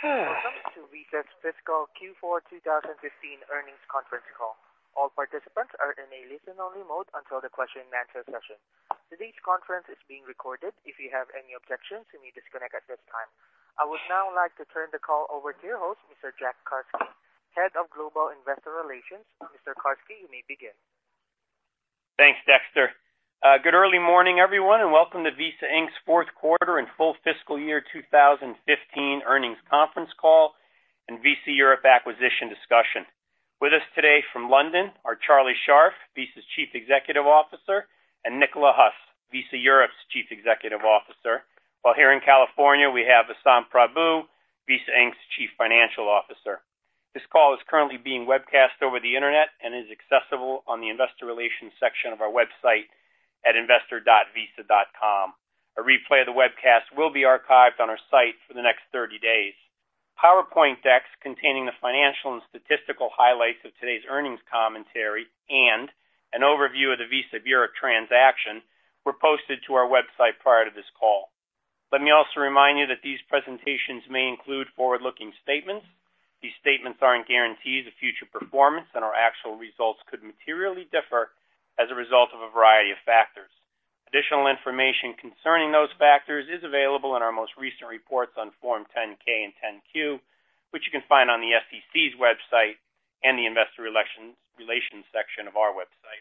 Welcome to Visa's fiscal Q4 2015 earnings conference call. All participants are in a listen-only mode until the question and answer session. Today's conference is being recorded. If you have any objections, you may disconnect at this time. I would now like to turn the call over to your host, Mr. Jack Carsky, Head of Global Investor Relations. Mr. Carsky, you may begin. Thanks, Dexter. Good early morning, everyone, and welcome to Visa Inc.'s fourth quarter and full fiscal year 2015 earnings conference call, and Visa Europe acquisition discussion. With us today from London are Charlie Scharf, Visa's Chief Executive Officer, and Nicolas Huss, Visa Europe's Chief Executive Officer. While here in California, we have Vasant Prabhu, Visa Inc.'s Chief Financial Officer. This call is currently being webcast over the internet and is accessible on the investor relations section of our website at investor.visa.com. A replay of the webcast will be archived on our site for the next 30 days. PowerPoint decks containing the financial and statistical highlights of today's earnings commentary and an overview of the Visa Europe transaction were posted to our website prior to this call. Let me also remind you that these presentations may include forward-looking statements. These statements aren't guarantees of future performance, our actual results could materially differ as a result of a variety of factors. Additional information concerning those factors is available in our most recent reports on Form 10-K and 10-Q, which you can find on the SEC's website and the investor relations section of our website.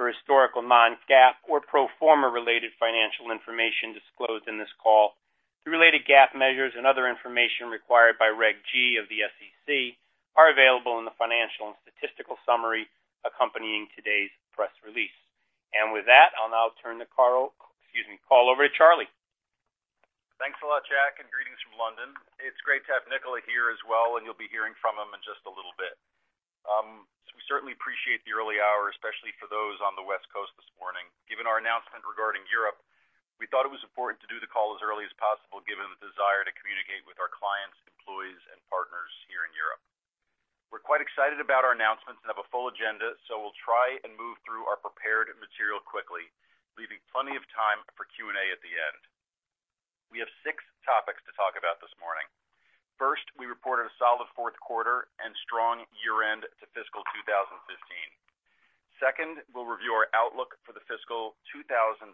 For historical non-GAAP or pro forma related financial information disclosed in this call, the related GAAP measures and other information required by Regulation G of the SEC are available in the financial and statistical summary accompanying today's press release. With that, I'll now turn the call over to Charlie. Thanks a lot, Jack, greetings from London. It's great to have Nicolas here as well, you'll be hearing from him in just a little bit. We certainly appreciate the early hour, especially for those on the West Coast this morning. Given our announcement regarding Europe, we thought it was important to do the call as early as possible, given the desire to communicate with our clients, employees, and partners here in Europe. We're quite excited about our announcements and have a full agenda, so we'll try and move through our prepared material quickly, leaving plenty of time for Q&A at the end. We have six topics to talk about this morning. First, we reported a solid fourth quarter and strong year-end to fiscal 2015. Second, we'll review our outlook for the fiscal 2016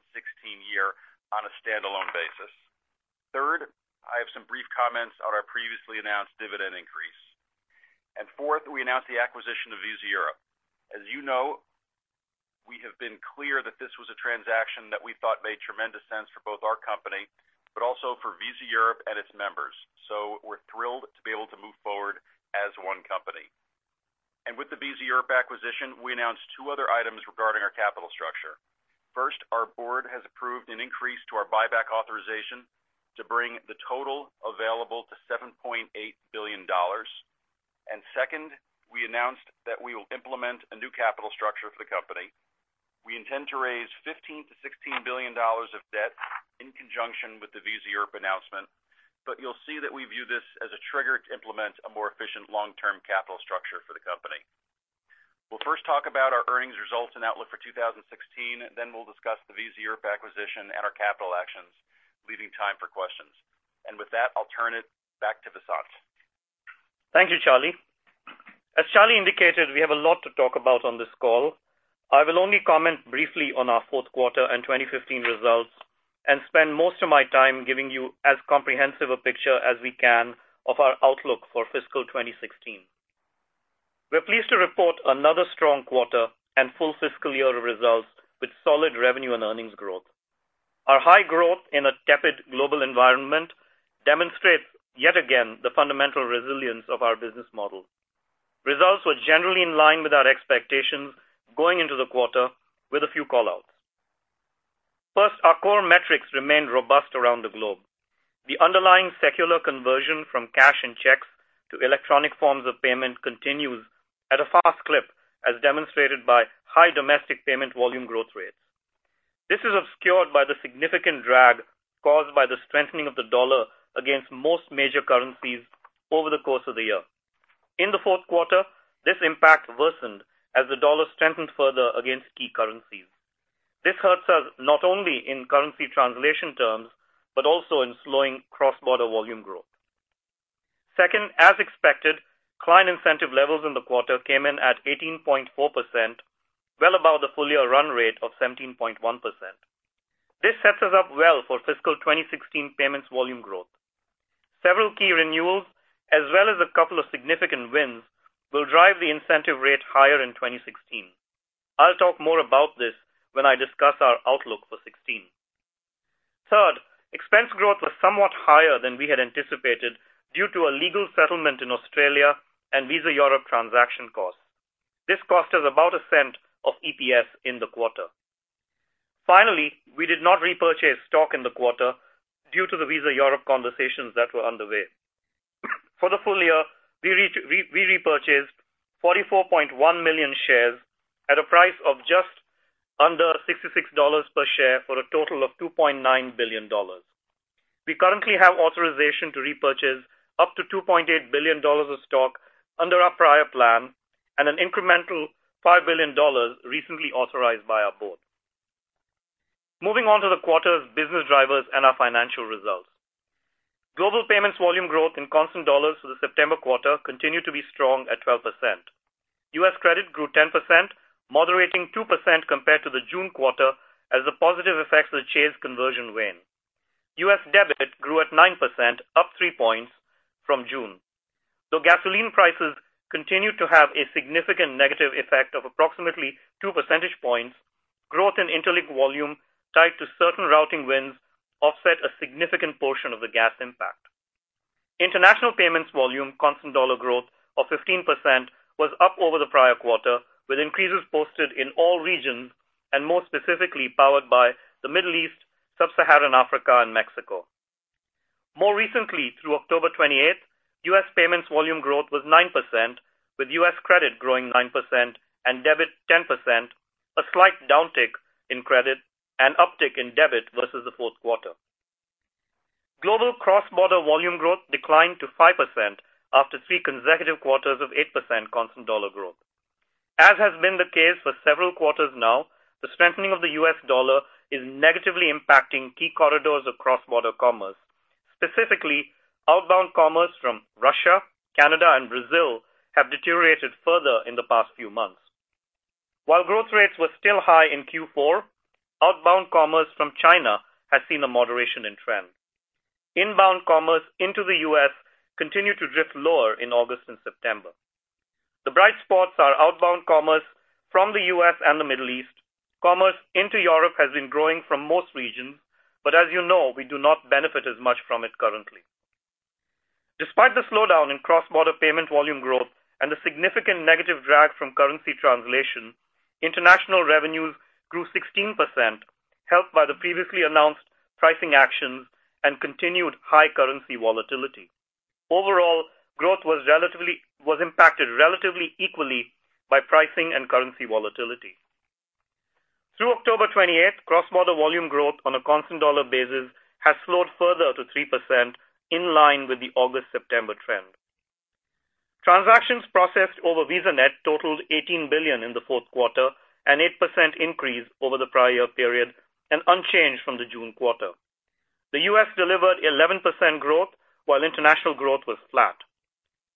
year on a standalone basis. Third, I have some brief comments on our previously announced dividend increase. Fourth, we announced the acquisition of Visa Europe. As you know, we have been clear that this was a transaction that we thought made tremendous sense for both our company, but also for Visa Europe and its members. We're thrilled to be able to move forward as one company. With the Visa Europe acquisition, we announced two other items regarding our capital structure. First, our board has approved an increase to our buyback authorization to bring the total available to $7.8 billion. Second, we announced that we will implement a new capital structure for the company. We intend to raise $15 billion to $16 billion of debt in conjunction with the Visa Europe announcement, you'll see that we view this as a trigger to implement a more efficient long-term capital structure for the company. We'll first talk about our earnings results and outlook for 2016, we'll discuss the Visa Europe acquisition and our capital actions, leaving time for questions. With that, I'll turn it back to Vasant. Thank you, Charlie. As Charlie indicated, we have a lot to talk about on this call. I will only comment briefly on our fourth quarter and 2015 results and spend most of my time giving you as comprehensive a picture as we can of our outlook for fiscal 2016. We're pleased to report another strong quarter and full fiscal year results with solid revenue and earnings growth. Our high growth in a tepid global environment demonstrates yet again the fundamental resilience of our business model. Results were generally in line with our expectations going into the quarter with a few call-outs. First, our core metrics remained robust around the globe. The underlying secular conversion from cash and checks to electronic forms of payment continues at a fast clip, as demonstrated by high domestic payment volume growth rates. This is obscured by the significant drag caused by the strengthening of the dollar against most major currencies over the course of the year. In the fourth quarter, this impact worsened as the dollar strengthened further against key currencies. This hurts us not only in currency translation terms, but also in slowing cross-border volume growth. Second, as expected, client incentive levels in the quarter came in at 18.4%, well above the full-year run rate of 17.1%. This sets us up well for fiscal 2016 payments volume growth. Several key renewals, as well as a couple of significant wins, will drive the incentive rate higher in 2016. I'll talk more about this when I discuss our outlook for 2016. Third, expense growth was somewhat higher than we had anticipated due to a legal settlement in Australia and Visa Europe transaction costs. This cost us about $0.01 of EPS in the quarter. Finally, we did not repurchase stock in the quarter due to the Visa Europe conversations that were underway. For the full year, we repurchased 44.1 million shares at a price of just under $66 per share for a total of $2.9 billion. We currently have authorization to repurchase up to $2.8 billion of stock under our prior plan and an incremental $5 billion recently authorized by our board. Moving on to the quarter's business drivers and our financial results. Global payments volume growth in constant dollars for the September quarter continued to be strong at 12%. U.S. credit grew 10%, moderating 2% compared to the June quarter, as the positive effects of the Chase conversion wane. U.S. debit grew at 9%, up three points from June. Though gasoline prices continued to have a significant negative effect of approximately two percentage points, growth in Interlink volume tied to certain routing wins offset a significant portion of the gas impact. International payments volume constant dollar growth of 15% was up over the prior quarter, with increases posted in all regions, and more specifically powered by the Middle East, sub-Saharan Africa and Mexico. More recently, through October 28th, U.S. payments volume growth was 9%, with U.S. credit growing 9% and debit 10%, a slight downtick in credit and uptick in debit versus the fourth quarter. Global cross-border volume growth declined to 5% after three consecutive quarters of 8% constant dollar growth. As has been the case for several quarters now, the strengthening of the U.S. dollar is negatively impacting key corridors of cross-border commerce. Specifically, outbound commerce from Russia, Canada, and Brazil have deteriorated further in the past few months. While growth rates were still high in Q4, outbound commerce from China has seen a moderation in trend. Inbound commerce into the U.S. continued to drift lower in August and September. The bright spots are outbound commerce from the U.S. and the Middle East. Commerce into Europe has been growing from most regions, but as you know, we do not benefit as much from it currently. Despite the slowdown in cross-border payment volume growth and the significant negative drag from currency translation, international revenues grew 16%, helped by the previously announced pricing actions and continued high currency volatility. Overall, growth was impacted relatively equally by pricing and currency volatility. Through October 28th, cross-border volume growth on a constant dollar basis has slowed further to 3%, in line with the August-September trend. Transactions processed over VisaNet totaled $18 billion in the fourth quarter, an 8% increase over the prior year period and unchanged from the June quarter. The U.S. delivered 11% growth while international growth was flat.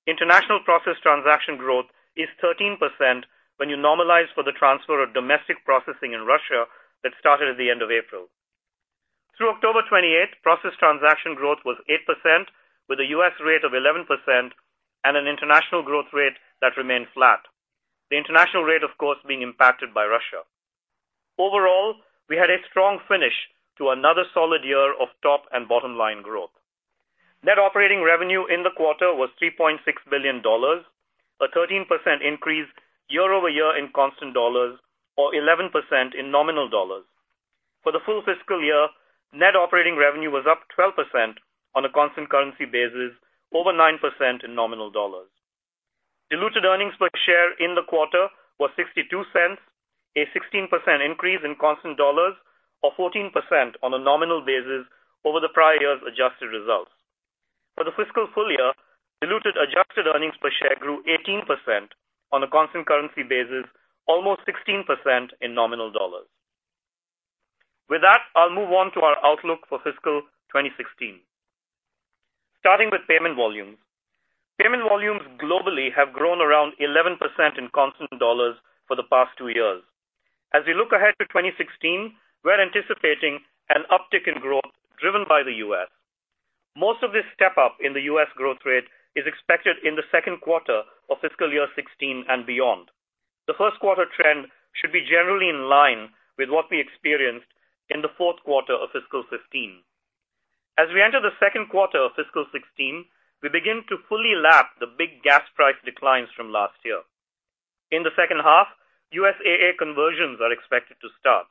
International processed transaction growth is 13% when you normalize for the transfer of domestic processing in Russia that started at the end of April. Through October 28th, processed transaction growth was 8%, with a U.S. rate of 11% and an international growth rate that remained flat. The international rate, of course, being impacted by Russia. Overall, we had a strong finish to another solid year of top and bottom-line growth. Net operating revenue in the quarter was $3.6 billion, a 13% increase year-over-year in constant dollars or 11% in nominal dollars. For the full fiscal year, net operating revenue was up 12% on a constant currency basis, over 9% in nominal dollars. Diluted earnings per share in the quarter were $0.62, a 16% increase in constant dollars or 14% on a nominal basis over the prior year's adjusted results. For the fiscal full year, diluted adjusted earnings per share grew 18% on a constant currency basis, almost 16% in nominal dollars. With that, I'll move on to our outlook for fiscal 2016. Starting with payment volumes. Payment volumes globally have grown around 11% in constant dollars for the past two years. As we look ahead to 2016, we're anticipating an uptick in growth driven by the U.S. Most of this step-up in the U.S. growth rate is expected in the second quarter of fiscal year 2016 and beyond. The first quarter trend should be generally in line with what we experienced in the fourth quarter of fiscal 2015. As we enter the second quarter of fiscal 2016, we begin to fully lap the big gas price declines from last year. In the second half, USAA conversions are expected to start.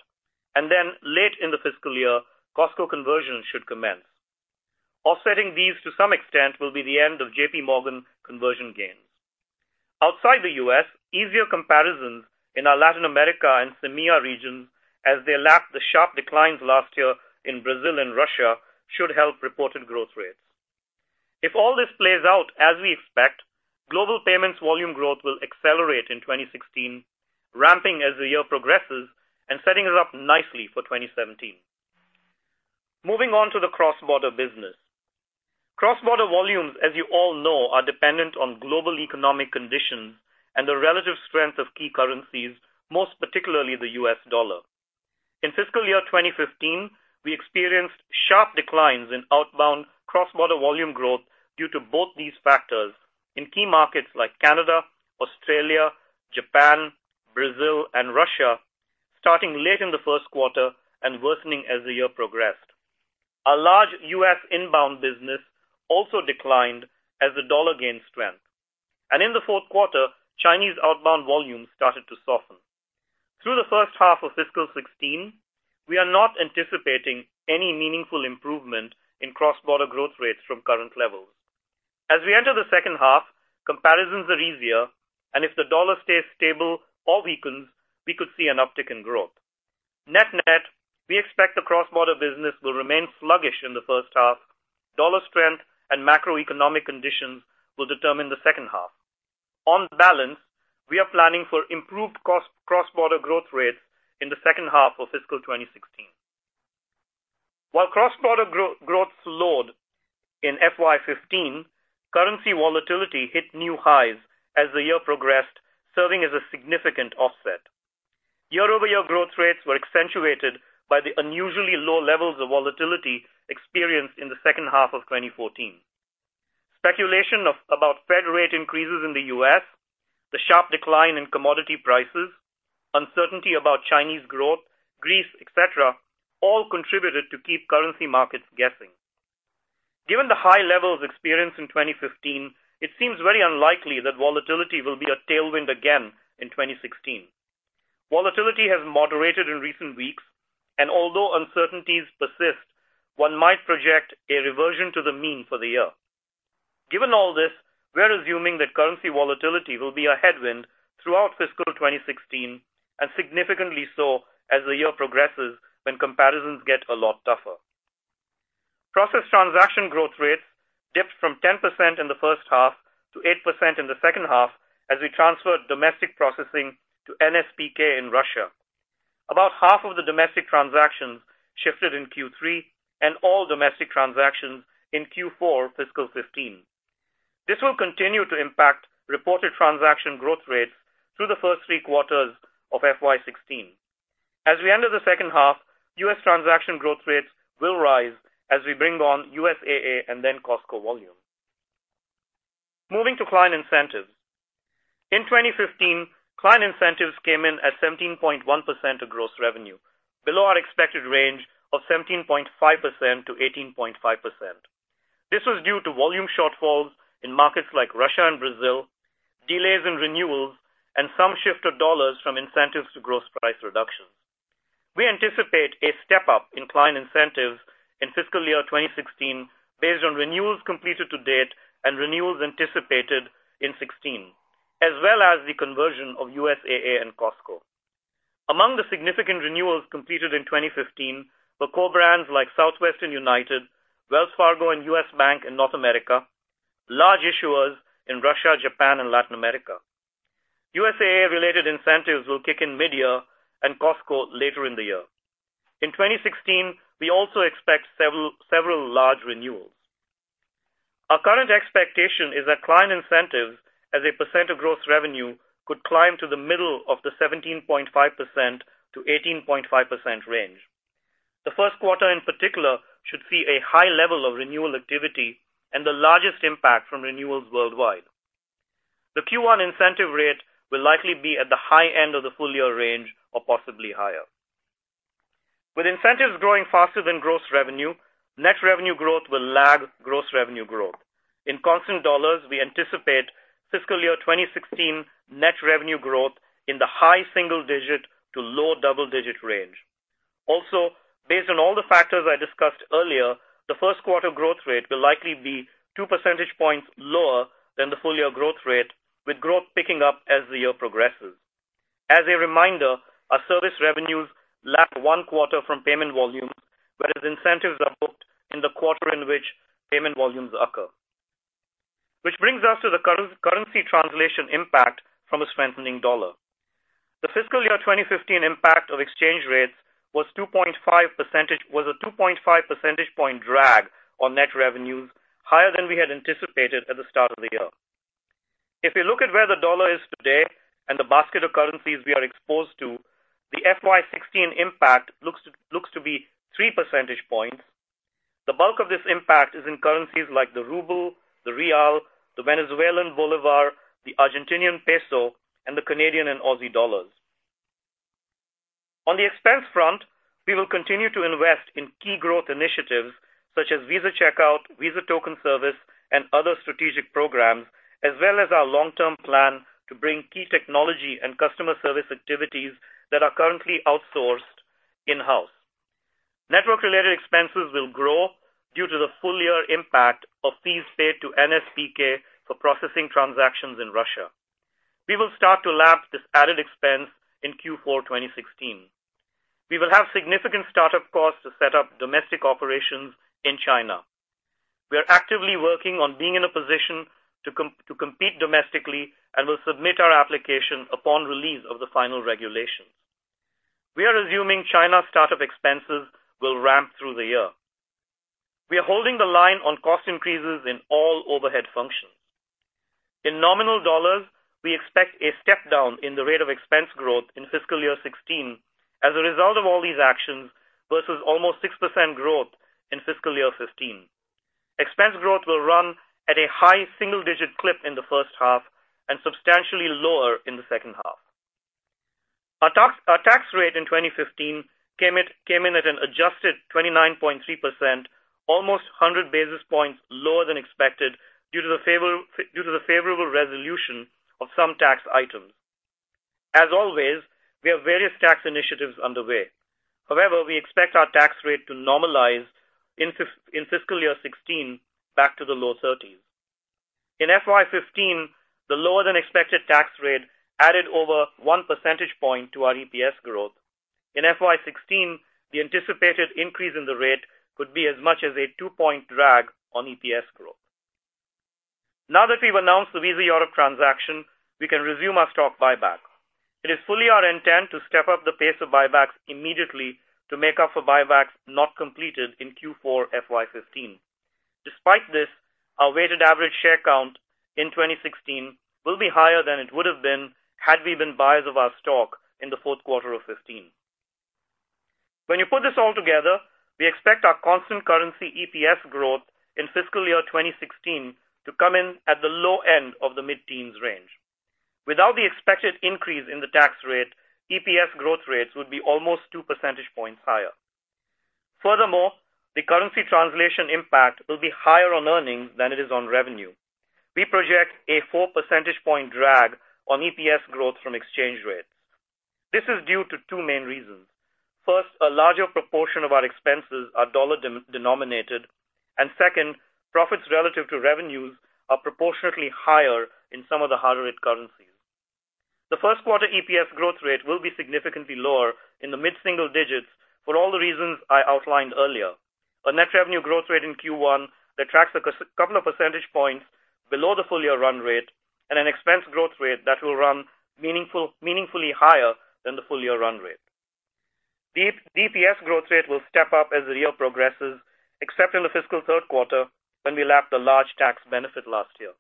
Late in the fiscal year, Costco conversions should commence. Offsetting these to some extent will be the end of JPMorgan conversion gains. Outside the U.S., easier comparisons in our Latin America and MEA regions as they lap the sharp declines last year in Brazil and Russia should help reported growth rates. If all this plays out as we expect, global payments volume growth will accelerate in 2016, ramping as the year progresses and setting us up nicely for 2017. Moving on to the cross-border business. Cross-border volumes, as you all know, are dependent on global economic conditions and the relative strength of key currencies, most particularly the U.S. dollar. In fiscal year 2015, we experienced sharp declines in outbound cross-border volume growth due to both these factors in key markets like Canada, Australia, Japan, Brazil, and Russia, starting late in the first quarter and worsening as the year progressed. Our large U.S. inbound business also declined as the dollar gained strength. In the fourth quarter, Chinese outbound volumes started to soften. Through the first half of fiscal 2016, we are not anticipating any meaningful improvement in cross-border growth rates from current levels. As we enter the second half, comparisons are easier. If the dollar stays stable or weakens, we could see an uptick in growth. Net-net, we expect the cross-border business will remain sluggish in the first half. Dollar strength and macroeconomic conditions will determine the second half. On balance, we are planning for improved cross-border growth rates in the second half of fiscal 2016. While cross-border growth slowed in FY 2015, currency volatility hit new highs as the year progressed, serving as a significant offset. Year-over-year growth rates were accentuated by the unusually low levels of volatility experienced in the second half of 2014. Speculation about Fed rate increases in the U.S., the sharp decline in commodity prices, uncertainty about Chinese growth, Greece, et cetera, all contributed to keep currency markets guessing. Given the high levels experienced in 2015, it seems very unlikely that volatility will be a tailwind again in 2016. Volatility has moderated in recent weeks. Although uncertainties persist, one might project a reversion to the mean for the year. Given all this, we are assuming that currency volatility will be a headwind throughout fiscal 2016 and significantly so as the year progresses, when comparisons get a lot tougher. Process transaction growth rates dipped from 10% in the first half to 8% in the second half as we transferred domestic processing to NSPK in Russia. About half of the domestic transactions shifted in Q3 and all domestic transactions in Q4 fiscal 2015. This will continue to impact reported transaction growth rates through the first three quarters of FY 2016. As we enter the second half, U.S. transaction growth rates will rise as we bring on USAA and then Costco volume. Moving to client incentives. In 2015, client incentives came in at 17.1% of gross revenue, below our expected range of 17.5%-18.5%. This was due to volume shortfalls in markets like Russia and Brazil, delays in renewals, and some shift of dollars from incentives to gross price reductions. We anticipate a step-up in client incentives in fiscal year 2016 based on renewals completed to date and renewals anticipated in 2016, as well as the conversion of USAA and Costco. Among the significant renewals completed in 2015 were co-brands like Southwest, Wells Fargo, and U.S. Bank in North America, large issuers in Russia, Japan, and Latin America. USAA related incentives will kick in mid-year and Costco later in the year. In 2016, we also expect several large renewals. Our current expectation is that client incentives as a % of gross revenue could climb to the middle of the 17.5%-18.5% range. The first quarter in particular should see a high level of renewal activity and the largest impact from renewals worldwide. The Q1 incentive rate will likely be at the high end of the full-year range or possibly higher. With incentives growing faster than gross revenue, net revenue growth will lag gross revenue growth. In constant dollars, we anticipate fiscal year 2016 net revenue growth in the high single digit to low double-digit range. Also, based on all the factors I discussed earlier, the first quarter growth rate will likely be two percentage points lower than the full-year growth rate, with growth picking up as the year progresses. As a reminder, our service revenues lag one quarter from payment volumes, whereas incentives are booked in the quarter in which payment volumes occur. Brings us to the currency translation impact from a strengthening dollar. The fiscal year 2015 impact of exchange rates was a 2.5 percentage point drag on net revenues, higher than we had anticipated at the start of the year. If we look at where the dollar is today and the basket of currencies we are exposed to, the FY 2016 impact looks to be three percentage points. The bulk of this impact is in currencies like the ruble, the real, the Venezuelan bolivar, the Argentinian peso, and the Canadian and Aussie dollars. On the expense front, we will continue to invest in key growth initiatives such as Visa Checkout, Visa Token Service, and other strategic programs, as well as our long-term plan to bring key technology and customer service activities that are currently outsourced in-house. Network-related expenses will grow due to the full-year impact of fees paid to NSPK for processing transactions in Russia. We will start to lap this added expense in Q4 2016. We will have significant start-up costs to set up domestic operations in China. We are actively working on being in a position to compete domestically and will submit our application upon release of the final regulations. We are assuming China start-up expenses will ramp through the year. We are holding the line on cost increases in all overhead functions. In nominal dollars, we expect a step-down in the rate of expense growth in fiscal year 2016 as a result of all these actions versus almost 6% growth in fiscal year 2015. Expense growth will run at a high single-digit clip in the first half and substantially lower in the second half. Our tax rate in 2015 came in at an adjusted 29.3%, almost 100 basis points lower than expected due to the favorable resolution of some tax items. As always, we have various tax initiatives underway. However, we expect our tax rate to normalize in fiscal year 2016 back to the low 30s. In FY 2015, the lower than expected tax rate added over one percentage point to our EPS growth. In FY 2016, the anticipated increase in the rate could be as much as a two-point drag on EPS growth. Now that we've announced the Visa Europe transaction, we can resume our stock buyback. It is fully our intent to step up the pace of buybacks immediately to make up for buybacks not completed in Q4 FY 2015. Despite this, our weighted average share count in 2016 will be higher than it would have been had we been buyers of our stock in the fourth quarter of 2015. When you put this all together, we expect our constant currency EPS growth in fiscal year 2016 to come in at the low end of the mid-teens range. Without the expected increase in the tax rate, EPS growth rates would be almost two percentage points higher. The currency translation impact will be higher on earnings than it is on revenue. We project a four percentage point drag on EPS growth from exchange rates. This is due to two main reasons. First, a larger proportion of our expenses are dollar-denominated, and second, profits relative to revenues are proportionately higher in some of the higher rate currencies. The first quarter EPS growth rate will be significantly lower in the mid-single digits for all the reasons I outlined earlier. A net revenue growth rate in Q1 that tracks a couple of percentage points below the full-year run rate and an expense growth rate that will run meaningfully higher than the full-year run rate. The EPS growth rate will step up as the year progresses, except in the fiscal third quarter when we lapped a large tax benefit last year.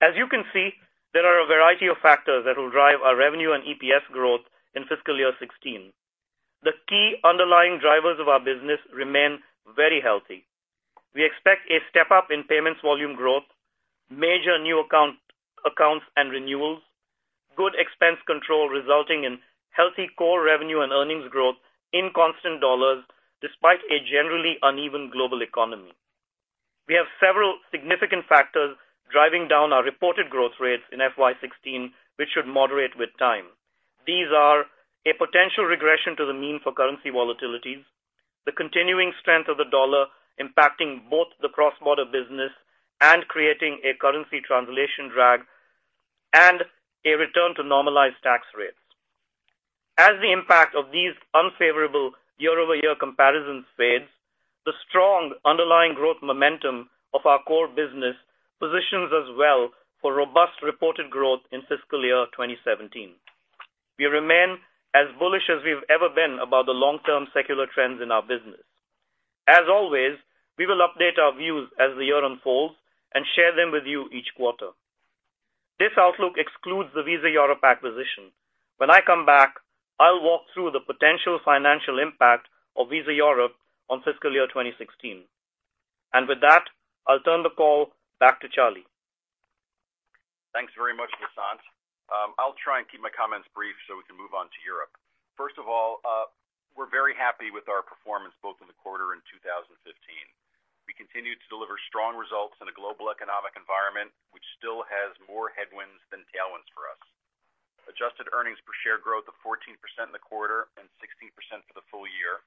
There are a variety of factors that will drive our revenue and EPS growth in fiscal year 2016. The key underlying drivers of our business remain very healthy. We expect a step-up in payments volume growth, major new accounts and renewals, good expense control resulting in healthy core revenue and earnings growth in constant dollars despite a generally uneven global economy. We have several significant factors driving down our reported growth rates in FY 2016, which should moderate with time. These are a potential regression to the mean for currency volatilities, the continuing strength of the dollar impacting both the cross-border business and creating a currency translation drag, and a return to normalized tax rates. As the impact of these unfavorable year-over-year comparisons fades, the strong underlying growth momentum of our core business positions us well for robust reported growth in fiscal year 2017. We remain as bullish as we've ever been about the long-term secular trends in our business. As always, we will update our views as the year unfolds and share them with you each quarter. This outlook excludes the Visa Europe acquisition. When I come back, I'll walk through the potential financial impact of Visa Europe on fiscal year 2016. With that, I'll turn the call back to Charlie. Thanks very much, Vasant. I'll try and keep my comments brief so we can move on to Europe. First of all, we're very happy with our performance both in the quarter and 2015. We continued to deliver strong results in a global economic environment, which still has more headwinds than tailwinds for us. Adjusted earnings per share growth of 14% in the quarter and 16% for the full year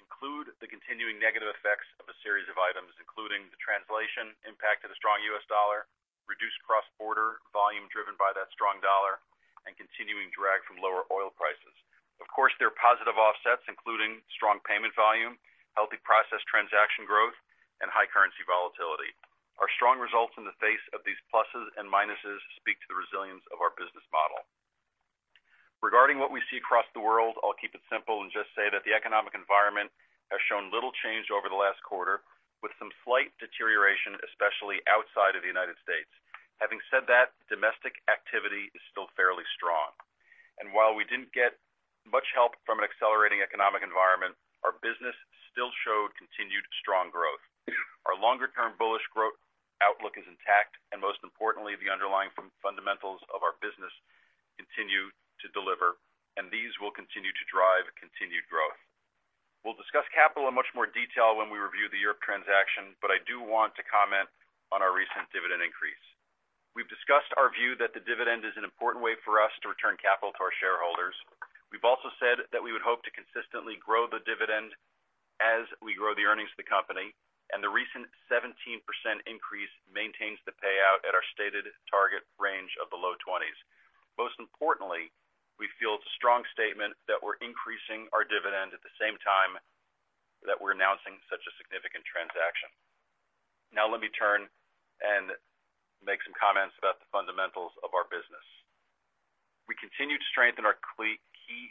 include the continuing negative effects of a series of items, including the translation impact of the strong U.S. dollar, reduced cross-border volume driven by that strong dollar, and continuing drag from lower oil prices. Of course, there are positive offsets, including strong payment volume, healthy process transaction growth, and high currency volatility. Our strong results in the face of these pluses and minuses speak to the resilience of our business model. Regarding what we see across the world, I'll keep it simple and just say that the economic environment has shown little change over the last quarter, with some slight deterioration, especially outside of the United States. Having said that, domestic activity is still fairly strong. While we didn't get much help from an accelerating economic environment, our business still showed continued strong growth. Our longer-term bullish growth outlook is intact, and most importantly, the underlying fundamentals of our business continue to deliver, and these will continue to drive continued growth. We'll discuss capital in much more detail when we review the Europe transaction, I do want to comment on our recent dividend increase. We've discussed our view that the dividend is an important way for us to return capital to our shareholders. We've also said that we would hope to consistently grow the dividend as we grow the earnings of the company, and the recent 17% increase maintains the payout at our stated target range of the low 20s. Most importantly, we feel it's a strong statement that we're increasing our dividend at the same time that we're announcing such a significant transaction. Now let me turn and make some comments about the fundamentals of our business. We continue to strengthen our key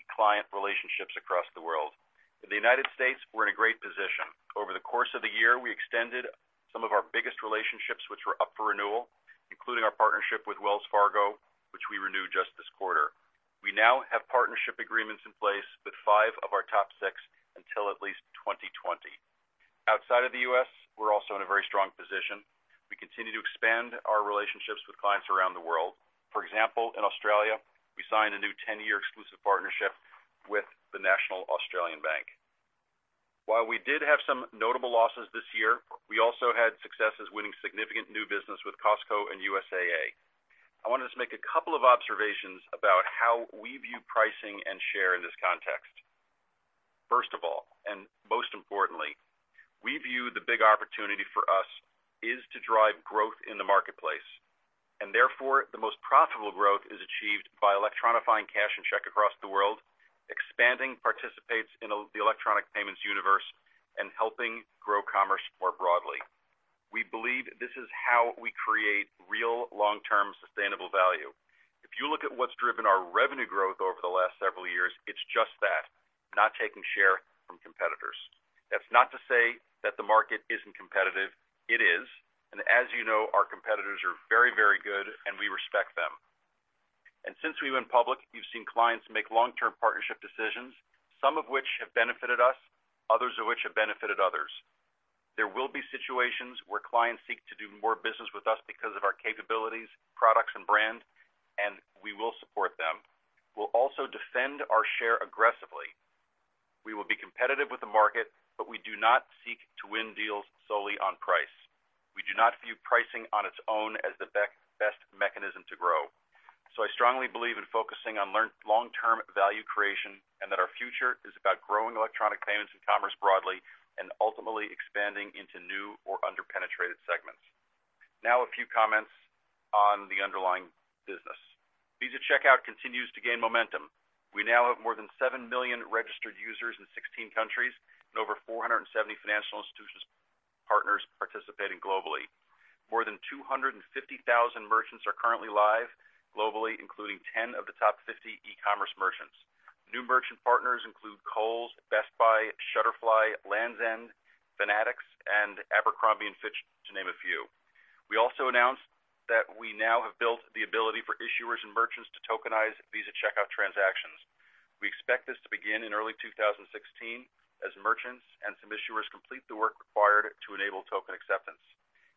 client relationships across the world. In the United States, we're in a great position. Over the course of the year, we extended some of our biggest relationships which were up for renewal, including our partnership with Wells Fargo, which we renewed just this quarter. We now have partnership agreements in place with five of our top six until at least 2020. Outside of the U.S., we're also in a very strong position. We continue to expand our relationships with clients around the world. For example, in Australia, we signed a new 10-year exclusive partnership with the National Australia Bank. While we did have some notable losses this year, we also had successes winning significant new business with Costco and USAA. I wanted to make a couple of observations about how we view pricing and share in this context. First of all, and most importantly, we view the big opportunity for us is to drive growth in the marketplace, and therefore the most profitable growth is achieved by electronifying cash and check across the world, expanding participants in the electronic payments universe, and helping grow commerce more broadly. We believe this is how we create real long-term sustainable value. If you look at what's driven our revenue growth over the last several years, it's just that, not taking share from competitors. That's not to say that the market isn't competitive. It is, and as you know, our competitors are very good and we respect them. Since we went public, we've seen clients make long-term partnership decisions, some of which have benefited us, others of which have benefited others. There will be situations where clients seek to do more business with us because of our capabilities, products, and brand, and we will support them. We'll also defend our share aggressively. We will be competitive with the market, we do not seek to win deals solely on price. We do not view pricing on its own as the best mechanism to grow. I strongly believe in focusing on long-term value creation and that our future is about growing electronic payments and commerce broadly and ultimately expanding into new or under-penetrated segments. Now a few comments on the underlying business. Visa Checkout continues to gain momentum. We now have more than 7 million registered users in 16 countries and over 470 financial institutions partners participating globally. More than 250,000 merchants are currently live globally, including 10 of the top 50 e-commerce merchants. New merchant partners include Kohl's, Best Buy, Shutterfly, Lands' End, Fanatics, and Abercrombie & Fitch, to name a few. We also announced that we now have built the ability for issuers and merchants to tokenize Visa Checkout transactions. We expect this to begin in early 2016 as merchants and some issuers complete the work required to enable token acceptance.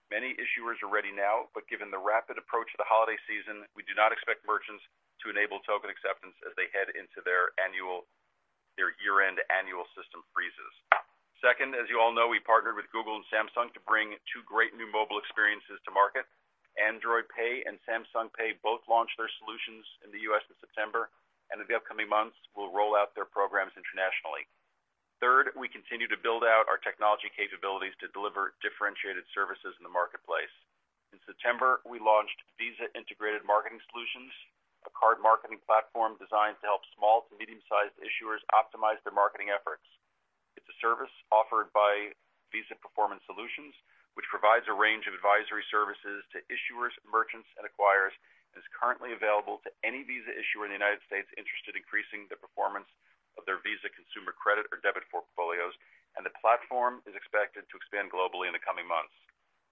Many issuers are ready now, given the rapid approach of the holiday season, we do not expect merchants to enable token acceptance as they head into their year-end annual system freezes. Second, as you all know, we partnered with Google and Samsung to bring two great new mobile experiences to market. Android Pay and Samsung Pay both launched their solutions in the U.S. in September, and in the upcoming months will roll out their programs internationally. Third, we continue to build out our technology capabilities to deliver differentiated services in the marketplace. In September, we launched Visa Integrated Marketing Solutions, a card marketing platform designed to help small to medium-sized issuers optimize their marketing efforts. It's a service offered by Visa Performance Solutions, which provides a range of advisory services to issuers, merchants, and acquirers, and is currently available to any Visa issuer in the U.S. interested in increasing the performance of their Visa consumer credit or debit portfolios, and the platform is expected to expand globally in the coming months.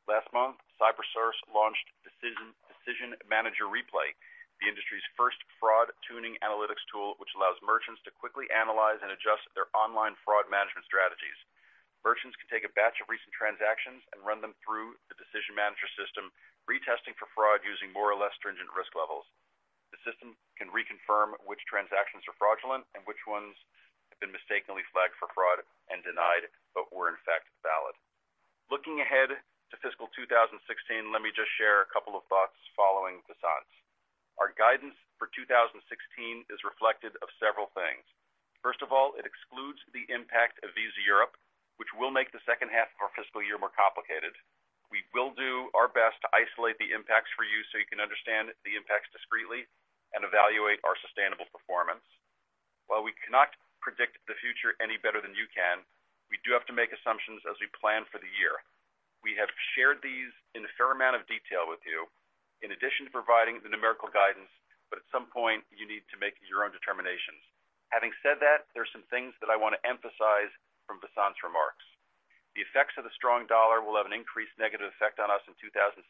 Last month, CyberSource launched Decision Manager Replay, the industry's first fraud tuning analytics tool, which allows merchants to quickly analyze and adjust their online fraud management strategies. Merchants can take a batch of recent transactions and run them through the Decision Manager system, retesting for fraud using more or less stringent risk levels. The system can reconfirm which transactions are fraudulent and which ones have been mistakenly flagged for fraud and denied but were in fact valid. Looking ahead to fiscal 2016, let me just share a couple of thoughts following Vasant's. Our guidance for 2016 is reflective of several things. First of all, it excludes the impact of Visa Europe, which will make the second half of our fiscal year more complicated. We will do our best to isolate the impacts for you so you can understand the impacts discreetly and evaluate our sustainable performance. While we cannot predict the future any better than you can, we do have to make assumptions as we plan for the year. We have shared these in a fair amount of detail with you, in addition to providing the numerical guidance, but at some point, you need to make your own determinations. Having said that, there's some things that I want to emphasize from Vasant's remarks. The effects of the strong dollar will have an increased negative effect on us in 2016,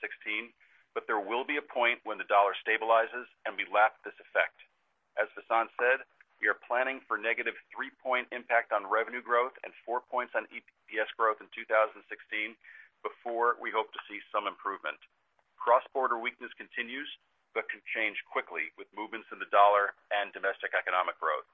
but there will be a point when the dollar stabilizes, and we lap this effect. As Vasant said, we are planning for negative three-point impact on revenue growth and four points on EPS growth in 2016 before we hope to see some improvement. Cross-border weakness continues but can change quickly with movements in the dollar and domestic economic growth.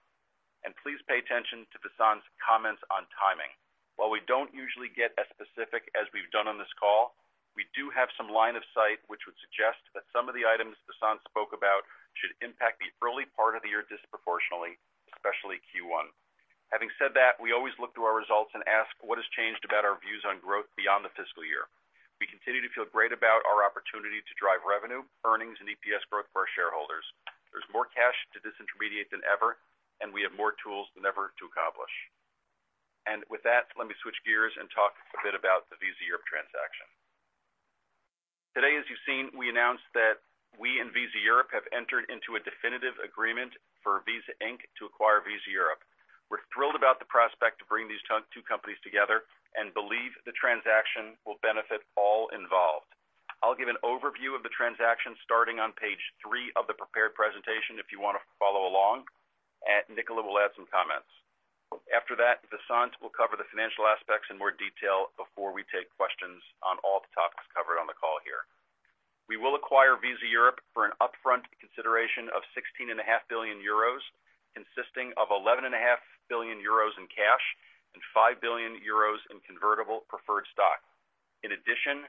Please pay attention to Vasant's comments on timing. While we don't usually get as specific as we've done on this call, we do have some line of sight which would suggest that some of the items Vasant spoke about should impact the early part of the year disproportionately, especially Q1. Having said that, we always look to our results and ask what has changed about our views on growth beyond the fiscal year. We continue to feel great about our opportunity to drive revenue, earnings, and EPS growth for our shareholders. There's more cash to disintermediate than ever, and we have more tools than ever to accomplish. With that, let me switch gears and talk a bit about the Visa Europe transaction. Today, as you've seen, we announced that we and Visa Europe have entered into a definitive agreement for Visa Inc. to acquire Visa Europe. We're thrilled about the prospect to bring these two companies together and believe the transaction will benefit all involved. I'll give an overview of the transaction starting on page three of the prepared presentation if you want to follow along, and Nicola will add some comments. After that, Vasant will cover the financial aspects in more detail before we take questions on all the topics covered on the call here. We will acquire Visa Europe for an upfront consideration of 16.5 billion euros, consisting of 11.5 billion euros in cash and 5 billion euros in convertible preferred stock. In addition,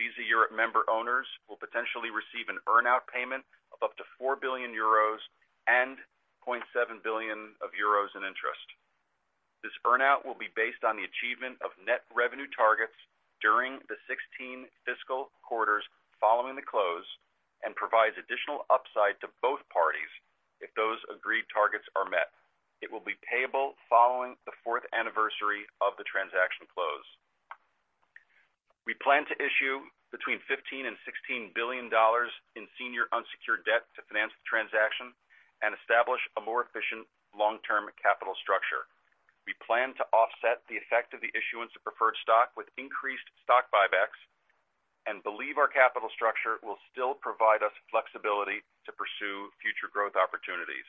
Visa Europe member owners will potentially receive an earn-out payment of up to 4 billion euros and 0.7 billion euros in interest. This earn-out will be based on the achievement of net revenue targets during the 16 fiscal quarters following the close, and provides additional upside to both parties if those agreed targets are met. It will be payable following the fourth anniversary of the transaction close. We plan to issue between $15 billion and $16 billion in senior unsecured debt to finance the transaction and establish a more efficient long-term capital structure. We plan to offset the effect of the issuance of preferred stock with increased stock buybacks, and believe our capital structure will still provide us flexibility to pursue future growth opportunities.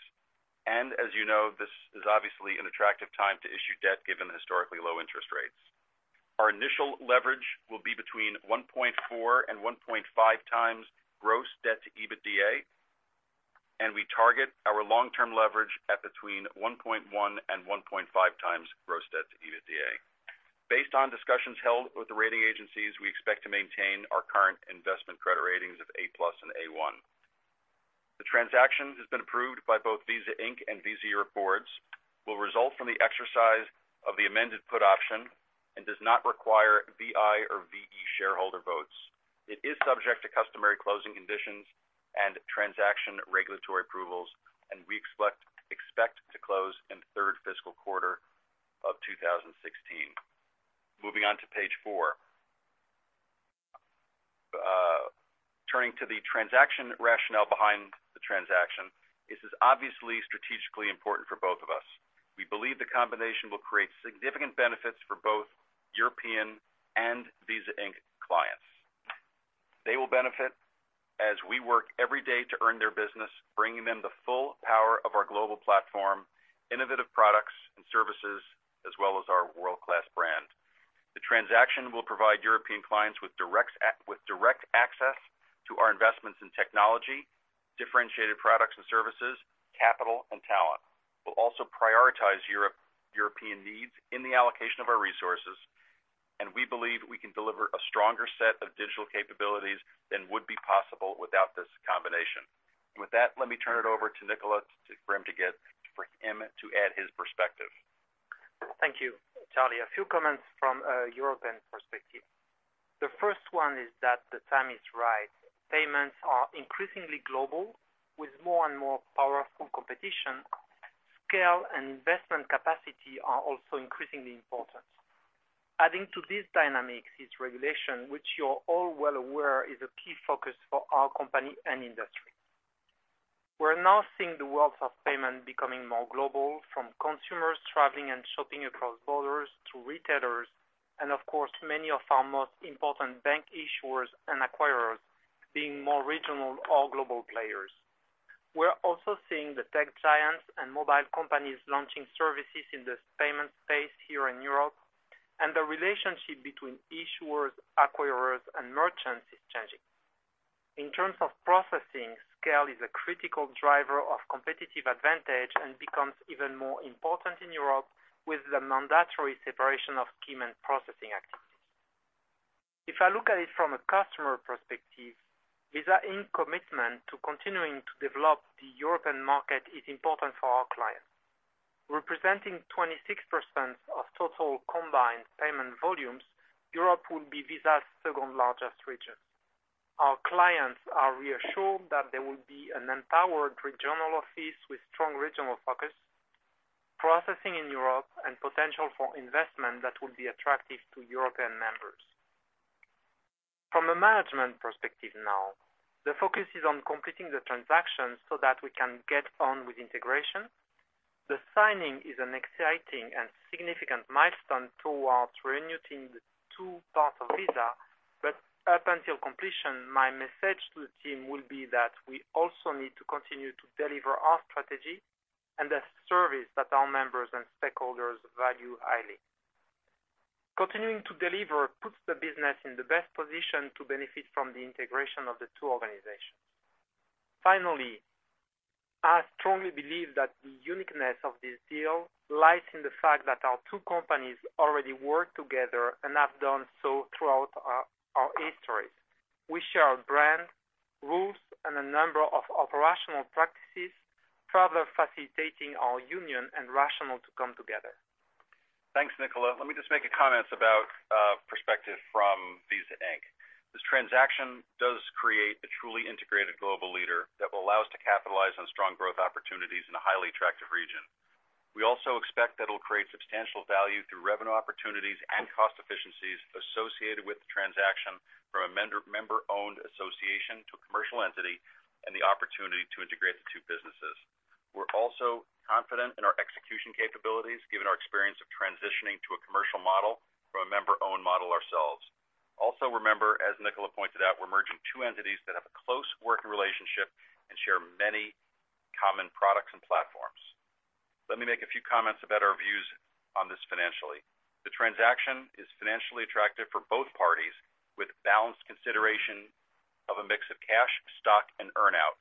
As you know, this is obviously an attractive time to issue debt, given the historically low interest rates. Our initial leverage will be between 1.4 and 1.5 times gross debt to EBITDA, and we target our long-term leverage at between 1.1 and 1.5 times gross debt to EBITDA. Based on discussions held with the rating agencies, we expect to maintain our current investment credit ratings of A+ and A1. The transaction has been approved by both Visa Inc. and Visa Europe boards, will result from the exercise of the amended put option, and does not require VI or VE shareholder votes. It is subject to customary closing conditions and transaction regulatory approvals. We expect to close in the third fiscal quarter of 2016. Moving on to page four. Turning to the transaction rationale behind the transaction, this is obviously strategically important for both of us. We believe the combination will create significant benefits for both European and Visa Inc. clients. They will benefit as we work every day to earn their business, bringing them the full power of our global platform, innovative products and services, as well as our world-class brand. The transaction will provide European clients with direct access to our investments in technology, differentiated products and services, capital, and talent. We'll also prioritize European needs in the allocation of our resources, and we believe we can deliver a stronger set of digital capabilities than would be possible without this combination. With that, let me turn it over to Nicolas for him to add his perspective. Thank you, Charlie. A few comments from a European perspective. The first one is that the time is right. Payments are increasingly global, with more and more powerful competition. Scale and investment capacity are also increasingly important. Adding to these dynamics is regulation, which you're all well aware is a key focus for our company and industry. We're now seeing the world of payment becoming more global from consumers traveling and shopping across borders, to retailers, and of course, many of our most important bank issuers and acquirers being more regional or global players. We're also seeing the tech giants and mobile companies launching services in this payment space here in Europe, and the relationship between issuers, acquirers, and merchants is changing. In terms of processing, scale is a critical driver of competitive advantage and becomes even more important in Europe with the mandatory separation of scheme and processing activities. If I look at it from a customer perspective, Visa Inc. commitment to continuing to develop the European market is important for our clients. Representing 26% of total combined payment volumes, Europe will be Visa's second largest region. Our clients are reassured that there will be an empowered regional office with strong regional focus, processing in Europe and potential for investment that will be attractive to European members. From a management perspective now, the focus is on completing the transaction so that we can get on with integration. The signing is an exciting and significant milestone towards reuniting the two parts of Visa. Up until completion, my message to the team will be that we also need to continue to deliver our strategy and the service that our members and stakeholders value highly. Continuing to deliver puts the business in the best position to benefit from the integration of the two organizations. Finally, I strongly believe that the uniqueness of this deal lies in the fact that our two companies already work together and have done so throughout our histories. We share brand, rules, and a number of operational practices, further facilitating our union and rationale to come together. Thanks, Nicolas. Let me just make a comment about perspective from Visa Inc. This transaction does create a truly integrated global leader that will allow us to capitalize on strong growth opportunities in a highly attractive region. We also expect that it'll create substantial value through revenue opportunities and cost efficiencies associated with the transaction from a member-owned association to a commercial entity, and the opportunity to integrate the two businesses. We're also confident in our execution capabilities, given our experience of transitioning to a commercial model from a member-owned model ourselves. Remember, as Nicolas pointed out, we're merging two entities that have a close working relationship and share many common products. Let me make a few comments about our views on this financially. The transaction is financially attractive for both parties, with balanced consideration of a mix of cash, stock and earn-out.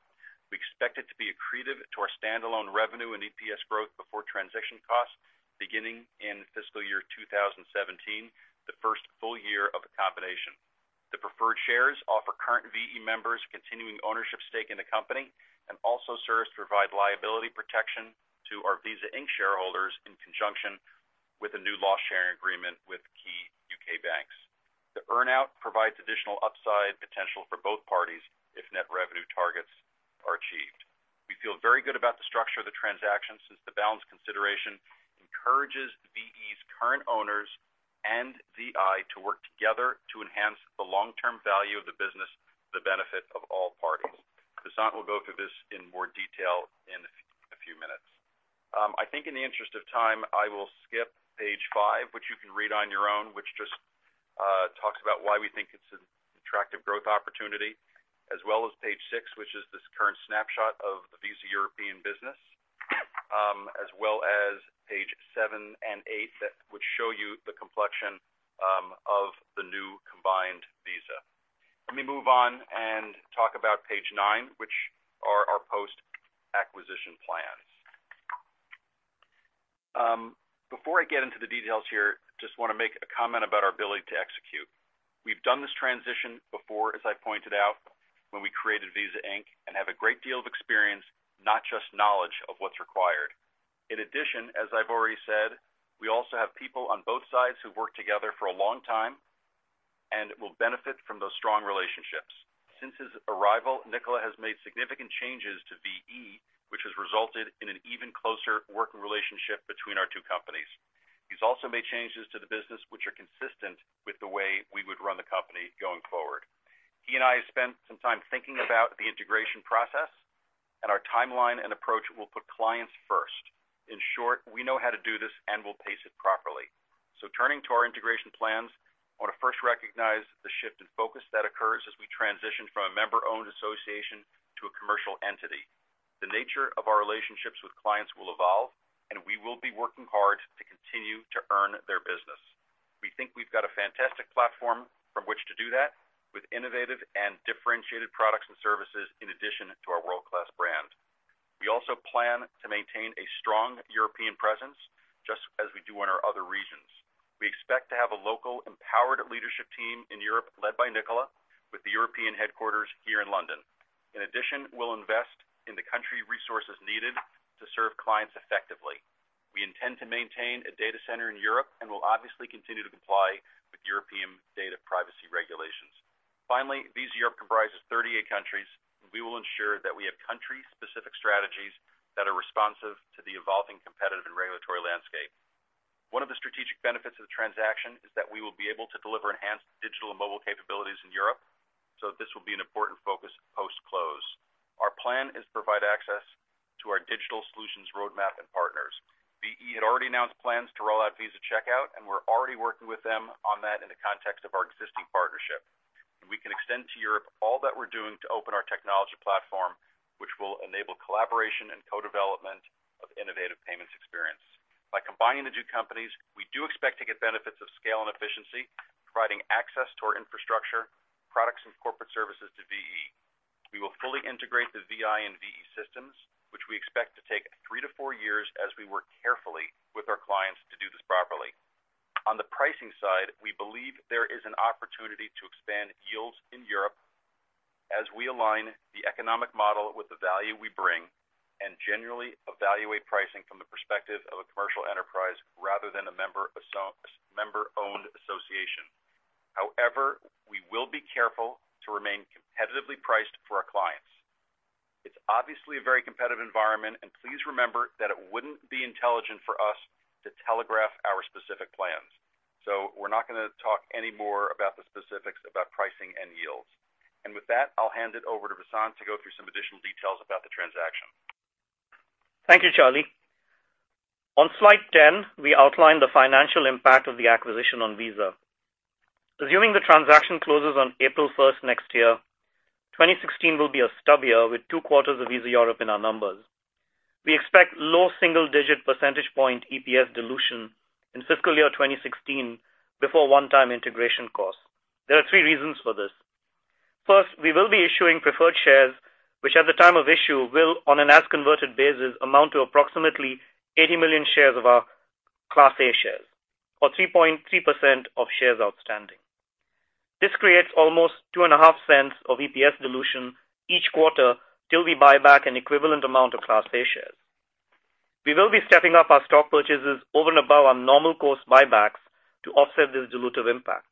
We expect it to be accretive to our standalone revenue and EPS growth before transition costs beginning in fiscal year 2017, the first full year of the combination. The preferred shares offer current VE members continuing ownership stake in the company, and also serves to provide liability protection to our Visa Inc. shareholders in conjunction with a new loss-sharing agreement with key U.K. banks. The earn-out provides additional upside potential for both parties if net revenue targets are achieved. We feel very good about the structure of the transaction, since the balanced consideration encourages VE's current owners and VI to work together to enhance the long-term value of the business for the benefit of all parties. Vasant will go through this in more detail in a few minutes. I think in the interest of time, I will skip page five, which you can read on your own, which just talks about why we think it's an attractive growth opportunity, as well as page six, which is this current snapshot of the Visa Europe business, as well as page seven and eight that would show you the complexion of the new combined Visa. Let me move on and talk about page nine, which are our post-acquisition plans. Before I get into the details here, just want to make a comment about our ability to execute. We've done this transition before, as I pointed out, when we created Visa Inc., and have a great deal of experience, not just knowledge of what's required. In addition, as I've already said, we also have people on both sides who've worked together for a long time and will benefit from those strong relationships. Since his arrival, Nicolas has made significant changes to VE, which has resulted in an even closer working relationship between our two companies. He's also made changes to the business which are consistent with the way we would run the company going forward. He and I have spent some time thinking about the integration process, and our timeline and approach will put clients first. In short, we know how to do this and will pace it properly. Turning to our integration plans, I want to first recognize the shift in focus that occurs as we transition from a member-owned association to a commercial entity. The nature of our relationships with clients will evolve, and we will be working hard to continue to earn their business. We think we've got a fantastic platform from which to do that with innovative and differentiated products and services in addition to our world-class brand. We also plan to maintain a strong European presence, just as we do in our other regions. We expect to have a local empowered leadership team in Europe led by Nicolas with the European headquarters here in London. In addition, we'll invest in the country resources needed to serve clients effectively. We intend to maintain a data center in Europe and will obviously continue to comply with European data privacy regulations. Finally, Visa Europe comprises 38 countries. We will ensure that we have country-specific strategies that are responsive to the evolving competitive and regulatory landscape. One of the strategic benefits of the transaction is that we will be able to deliver enhanced digital and mobile capabilities in Europe. This will be an important focus post-close. Our plan is to provide access to our digital solutions roadmap and partners. VE had already announced plans to roll out Visa Checkout, and we're already working with them on that in the context of our existing partnership. We can extend to Europe all that we're doing to open our technology platform, which will enable collaboration and co-development of innovative payments experience. By combining the two companies, we do expect to get benefits of scale and efficiency, providing access to our infrastructure, products, and corporate services to VE. We will fully integrate the VI and VE systems, which we expect to take three to four years as we work carefully with our clients to do this properly. On the pricing side, we believe there is an opportunity to expand yields in Europe as we align the economic model with the value we bring and generally evaluate pricing from the perspective of a commercial enterprise rather than a member-owned association. However, we will be careful to remain competitively priced for our clients. It's obviously a very competitive environment. Please remember that it wouldn't be intelligent for us to telegraph our specific plans. We're not going to talk any more about the specifics about pricing and yields. With that, I'll hand it over to Vasant to go through some additional details about the transaction. Thank you, Charlie. On slide 10, we outline the financial impact of the acquisition on Visa. Assuming the transaction closes on April 1st next year, 2016 will be a stub year with two quarters of Visa Europe in our numbers. We expect low single-digit percentage point EPS dilution in fiscal year 2016 before one-time integration costs. There are three reasons for this. First, we will be issuing preferred shares, which at the time of issue will, on an as converted basis, amount to approximately 80 million shares of our class A shares or 3.3% of shares outstanding. This creates almost $0.025 of EPS dilution each quarter till we buy back an equivalent amount of class A shares. We will be stepping up our stock purchases over and above our normal course buybacks to offset this dilutive impact.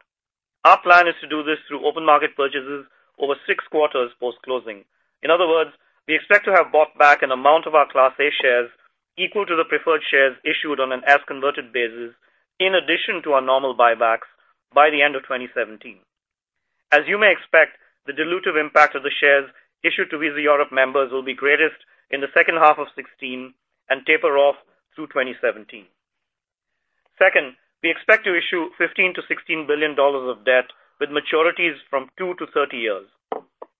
Our plan is to do this through open market purchases over six quarters post-closing. In other words, we expect to have bought back an amount of our class A shares equal to the preferred shares issued on an as converted basis, in addition to our normal buybacks, by the end of 2017. As you may expect, the dilutive impact of the shares issued to Visa Europe members will be greatest in the second half of 2016 and taper off through 2017. Second, we expect to issue $15 billion-$16 billion of debt with maturities from two to 30 years.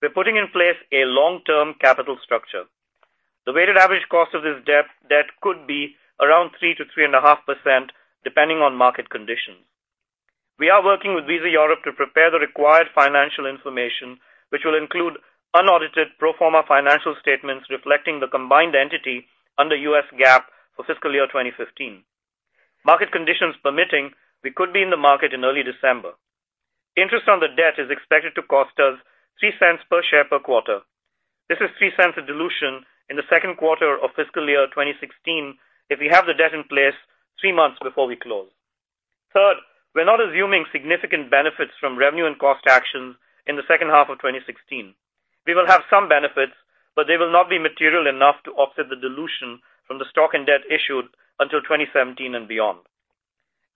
We're putting in place a long-term capital structure. The weighted average cost of this debt could be around 3%-3.5% depending on market conditions. We are working with Visa Europe to prepare the required financial information, which will include unaudited pro forma financial statements reflecting the combined entity under U.S. GAAP for fiscal year 2015. Market conditions permitting, we could be in the market in early December. Interest on the debt is expected to cost us $0.03 per share per quarter. This is $0.03 a dilution in the second quarter of fiscal year 2016 if we have the debt in place three months before we close. Third, we're not assuming significant benefits from revenue and cost actions in the second half of 2016. We will have some benefits, but they will not be material enough to offset the dilution from the stock and debt issued until 2017 and beyond.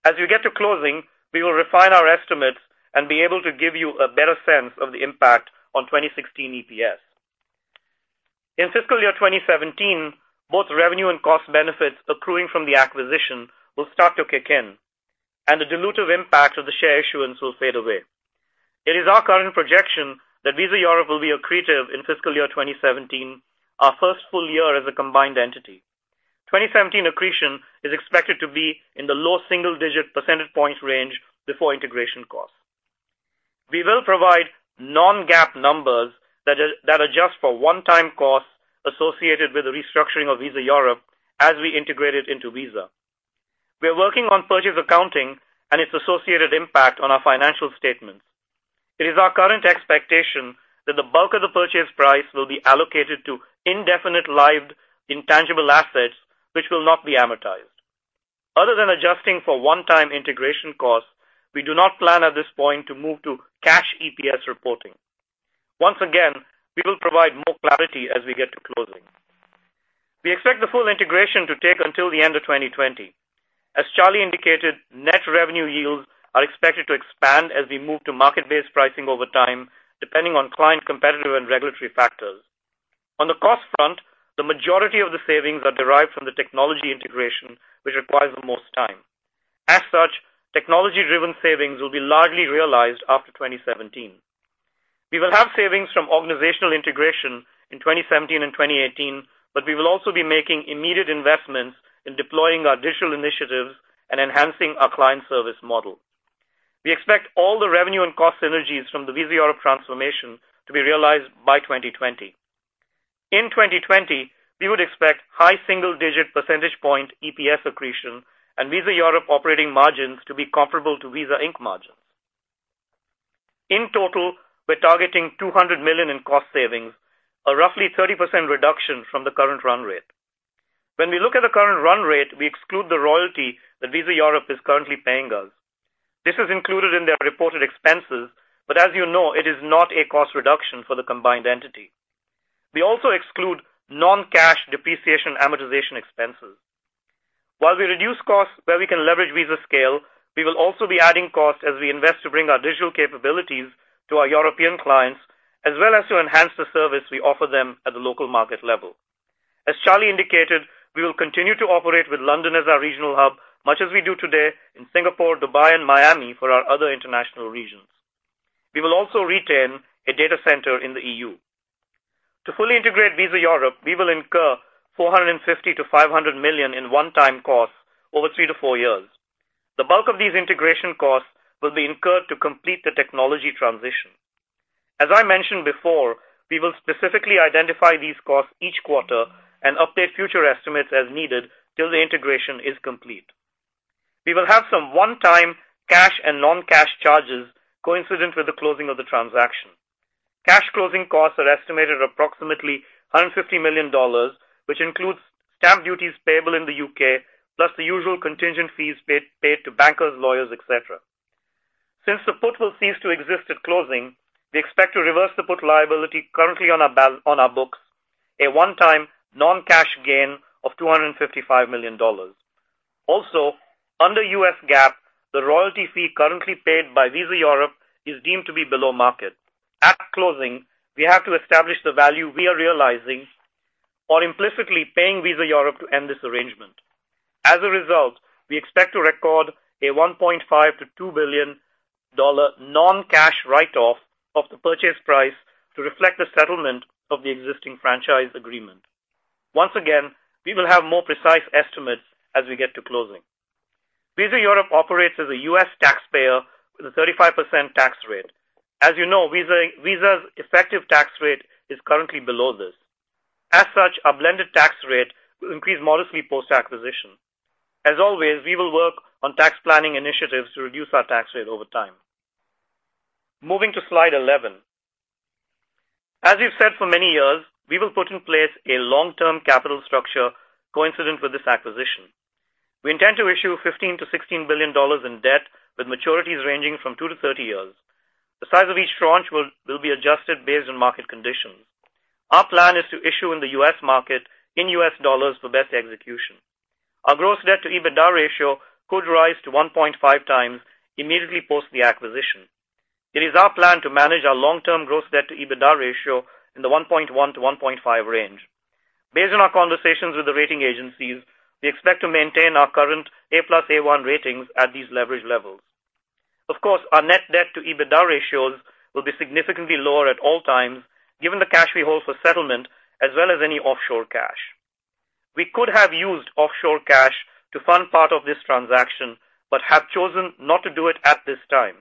As we get to closing, we will refine our estimates and be able to give you a better sense of the impact on 2016 EPS. In fiscal year 2017, both revenue and cost benefits accruing from the acquisition will start to kick in, and the dilutive impact of the share issuance will fade away. It is our current projection that Visa Europe will be accretive in fiscal year 2017, our first full year as a combined entity. 2017 accretion is expected to be in the low single-digit percentage points range before integration costs. We will provide non-GAAP numbers that adjust for one-time costs associated with the restructuring of Visa Europe as we integrate it into Visa. We are working on purchase accounting and its associated impact on our financial statements. It is our current expectation that the bulk of the purchase price will be allocated to indefinite lived intangible assets, which will not be amortized. Other than adjusting for one-time integration costs, we do not plan at this point to move to cash EPS reporting. Once again, we will provide more clarity as we get to closing. We expect the full integration to take until the end of 2020. As Charlie indicated, net revenue yields are expected to expand as we move to market-based pricing over time, depending on client competitive and regulatory factors. On the cost front, the majority of the savings are derived from the technology integration, which requires the most time. As such, technology-driven savings will be largely realized after 2017. We will have savings from organizational integration in 2017 and 2018, but we will also be making immediate investments in deploying our digital initiatives and enhancing our client service model. We expect all the revenue and cost synergies from the Visa Europe transformation to be realized by 2020. In 2020, we would expect high single-digit percentage point EPS accretion and Visa Europe operating margins to be comparable to Visa Inc margins. In total, we're targeting $200 million in cost savings, a roughly 30% reduction from the current run rate. When we look at the current run rate, we exclude the royalty that Visa Europe is currently paying us. This is included in their reported expenses, but as you know, it is not a cost reduction for the combined entity. We also exclude non-cash depreciation amortization expenses. While we reduce costs where we can leverage Visa scale, we will also be adding cost as we invest to bring our digital capabilities to our European clients as well as to enhance the service we offer them at the local market level. As Charlie indicated, we will continue to operate with London as our regional hub, much as we do today in Singapore, Dubai, and Miami for our other international regions. We will also retain a data center in the EU. To fully integrate Visa Europe, we will incur $450 million-$500 million in one-time costs over three to four years. The bulk of these integration costs will be incurred to complete the technology transition. As I mentioned before, we will specifically identify these costs each quarter and update future estimates as needed till the integration is complete. We will have some one-time cash and non-cash charges coincident with the closing of the transaction. Cash closing costs are estimated at approximately $150 million, which includes stamp duties payable in the U.K., plus the usual contingent fees paid to bankers, lawyers, et cetera. Since the put will cease to exist at closing, we expect to reverse the put liability currently on our books, a one-time non-cash gain of $255 million. Also, under U.S. GAAP, the royalty fee currently paid by Visa Europe is deemed to be below market. At closing, we have to establish the value we are realizing or implicitly paying Visa Europe to end this arrangement. As a result, we expect to record a $1.5 billion-$2 billion non-cash write-off of the purchase price to reflect the settlement of the existing franchise agreement. Once again, we will have more precise estimates as we get to closing. Visa Europe operates as a U.S. taxpayer with a 35% tax rate. As you know, Visa's effective tax rate is currently below this. As such, our blended tax rate will increase modestly post-acquisition. As always, we will work on tax planning initiatives to reduce our tax rate over time. Moving to slide 11. As we've said for many years, we will put in place a long-term capital structure coincident with this acquisition. We intend to issue $15 billion-$16 billion in debt with maturities ranging from two to 30 years. The size of each tranche will be adjusted based on market conditions. Our plan is to issue in the U.S. market in U.S. dollars for best execution. Our gross debt to EBITDA ratio could rise to 1.5 times immediately post the acquisition. It is our plan to manage our long-term gross debt to EBITDA ratio in the 1.1-1.5 range. Based on our conversations with the rating agencies, we expect to maintain our current A+, A1 ratings at these leverage levels. Of course, our net debt to EBITDA ratios will be significantly lower at all times, given the cash we hold for settlement as well as any offshore cash. We could have used offshore cash to fund part of this transaction, have chosen not to do it at this time.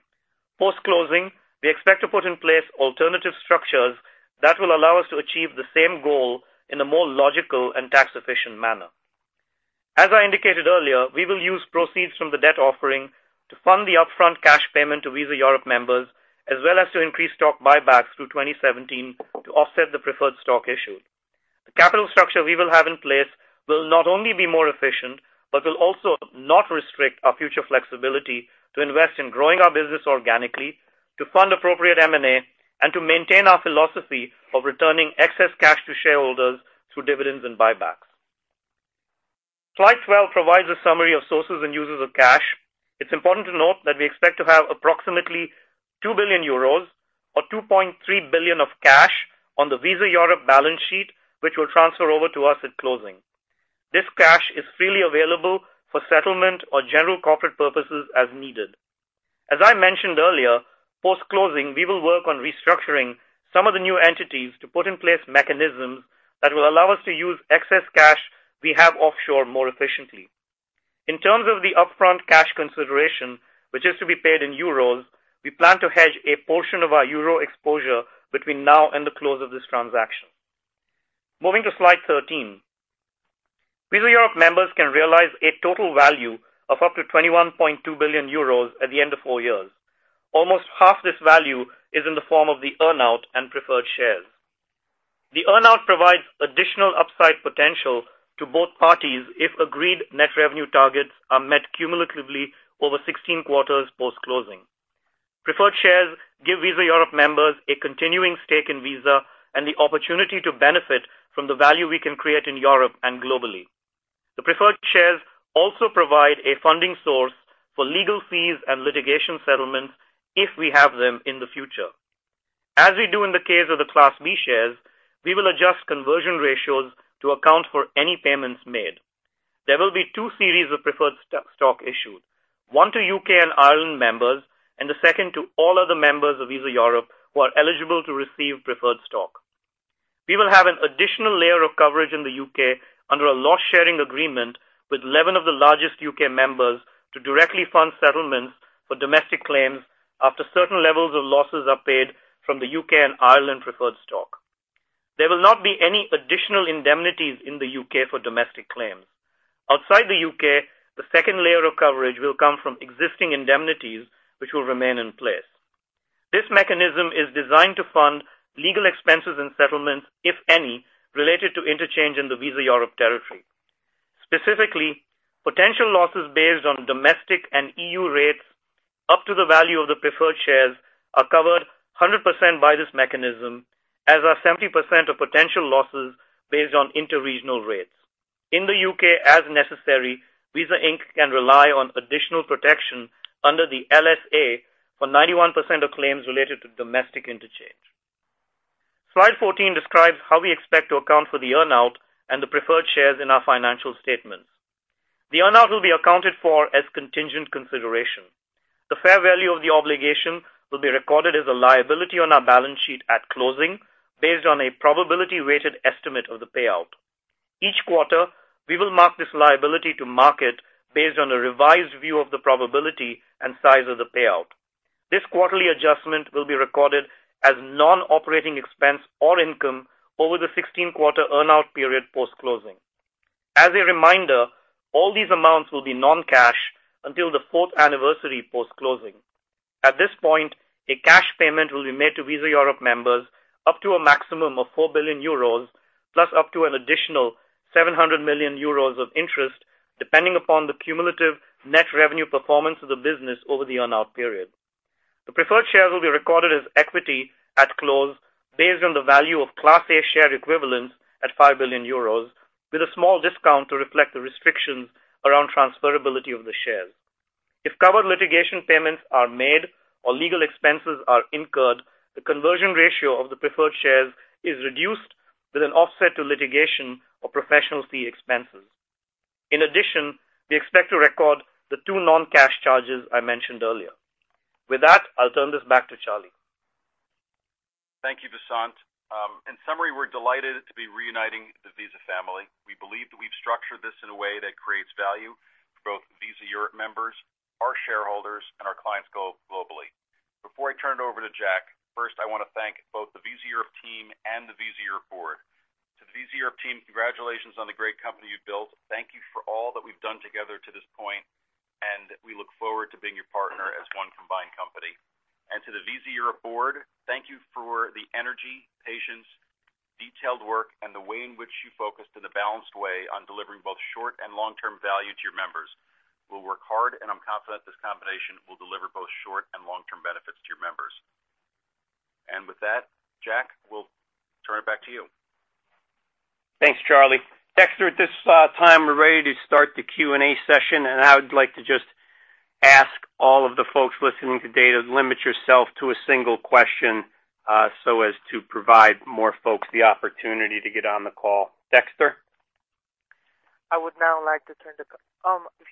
Post-closing, we expect to put in place alternative structures that will allow us to achieve the same goal in a more logical and tax-efficient manner. As I indicated earlier, we will use proceeds from the debt offering to fund the upfront cash payment to Visa Europe members, as well as to increase stock buybacks through 2017 to offset the preferred stock issue. The capital structure we will have in place will not only be more efficient, but will also not restrict our future flexibility to invest in growing our business organically, to fund appropriate M&A, and to maintain our philosophy of returning excess cash to shareholders through dividends and buybacks. Slide 12 provides a summary of sources and uses of cash. It's important to note that we expect to have approximately 2 billion euros, or $2.3 billion of cash on the Visa Europe balance sheet, which will transfer over to us at closing. This cash is freely available for settlement or general corporate purposes as needed. As I mentioned earlier, post-closing, we will work on restructuring some of the new entities to put in place mechanisms that will allow us to use excess cash we have offshore more efficiently. In terms of the upfront cash consideration, which is to be paid in EUR, we plan to hedge a portion of our EUR exposure between now and the close of this transaction. Moving to slide 13. Visa Europe members can realize a total value of up to 21.2 billion euros at the end of four years. Almost half this value is in the form of the earn-out and preferred shares. The earn-out provides additional upside potential to both parties if agreed net revenue targets are met cumulatively over 16 quarters post-closing. Preferred shares give Visa Europe members a continuing stake in Visa and the opportunity to benefit from the value we can create in Europe and globally. The preferred shares also provide a funding source for legal fees and litigation settlements if we have them in the future. As we do in the case of the Class B shares, we will adjust conversion ratios to account for any payments made. There will be two series of preferred stock issued, one to U.K. and Ireland members, and the second to all other members of Visa Europe who are eligible to receive preferred stock. We will have an additional layer of coverage in the U.K. under a loss-sharing agreement with 11 of the largest U.K. members to directly fund settlements for domestic claims after certain levels of losses are paid from the U.K. and Ireland preferred stock. There will not be any additional indemnities in the U.K. for domestic claims. Outside the U.K., the second layer of coverage will come from existing indemnities, which will remain in place. This mechanism is designed to fund legal expenses and settlements, if any, related to interchange in the Visa Europe territory. Specifically, potential losses based on domestic and EU rates up to the value of the preferred shares are covered 100% by this mechanism, as are 70% of potential losses based on inter-regional rates. In the U.K., as necessary, Visa Inc. can rely on additional protection under the LSA for 91% of claims related to domestic interchange. Slide 14 describes how we expect to account for the earn-out and the preferred shares in our financial statements. The earn-out will be accounted for as contingent consideration. The fair value of the obligation will be recorded as a liability on our balance sheet at closing based on a probability-weighted estimate of the payout. Each quarter, we will mark this liability to market based on a revised view of the probability and size of the payout. This quarterly adjustment will be recorded as non-operating expense or income over the 16-quarter earn-out period post-closing. As a reminder, all these amounts will be non-cash until the fourth anniversary post-closing. At this point, a cash payment will be made to Visa Europe members up to a maximum of 4 billion euros, plus up to an additional 700 million euros of interest, depending upon the cumulative net revenue performance of the business over the earn-out period. The preferred shares will be recorded as equity at close based on the value of Class A share equivalents at 5 billion euros, with a small discount to reflect the restrictions around transferability of the shares. If covered litigation payments are made or legal expenses are incurred, the conversion ratio of the preferred shares is reduced with an offset to litigation or professional fee expenses. In addition, we expect to record the two non-cash charges I mentioned earlier. With that, I'll turn this back to Charlie. Thank you, Vasant. In summary, we're delighted to be reuniting the Visa family. We believe that we've structured this in a way that creates value for both Visa Europe members, our shareholders, and our clients globally. Before I turn it over to Jack, first, I want to thank both the Visa Europe team and the Visa Europe board. To the Visa Europe team, congratulations on the great company you've built. Thank you for all that we've done together to this point, and we look forward to being your partner as one combined company. To the Visa Europe board, thank you for the energy, patience, detailed work, and the way in which you focused in a balanced way on delivering both short- and long-term value to your members. We'll work hard, and I'm confident this combination will deliver both short- and long-term benefits to your members. With that, Jack, we'll turn it back to you. Thanks, Charlie. Dexter, at this time, we're ready to start the Q&A session. I would like to just Ask all of the folks listening today to limit yourself to a single question so as to provide more folks the opportunity to get on the call. Dexter? If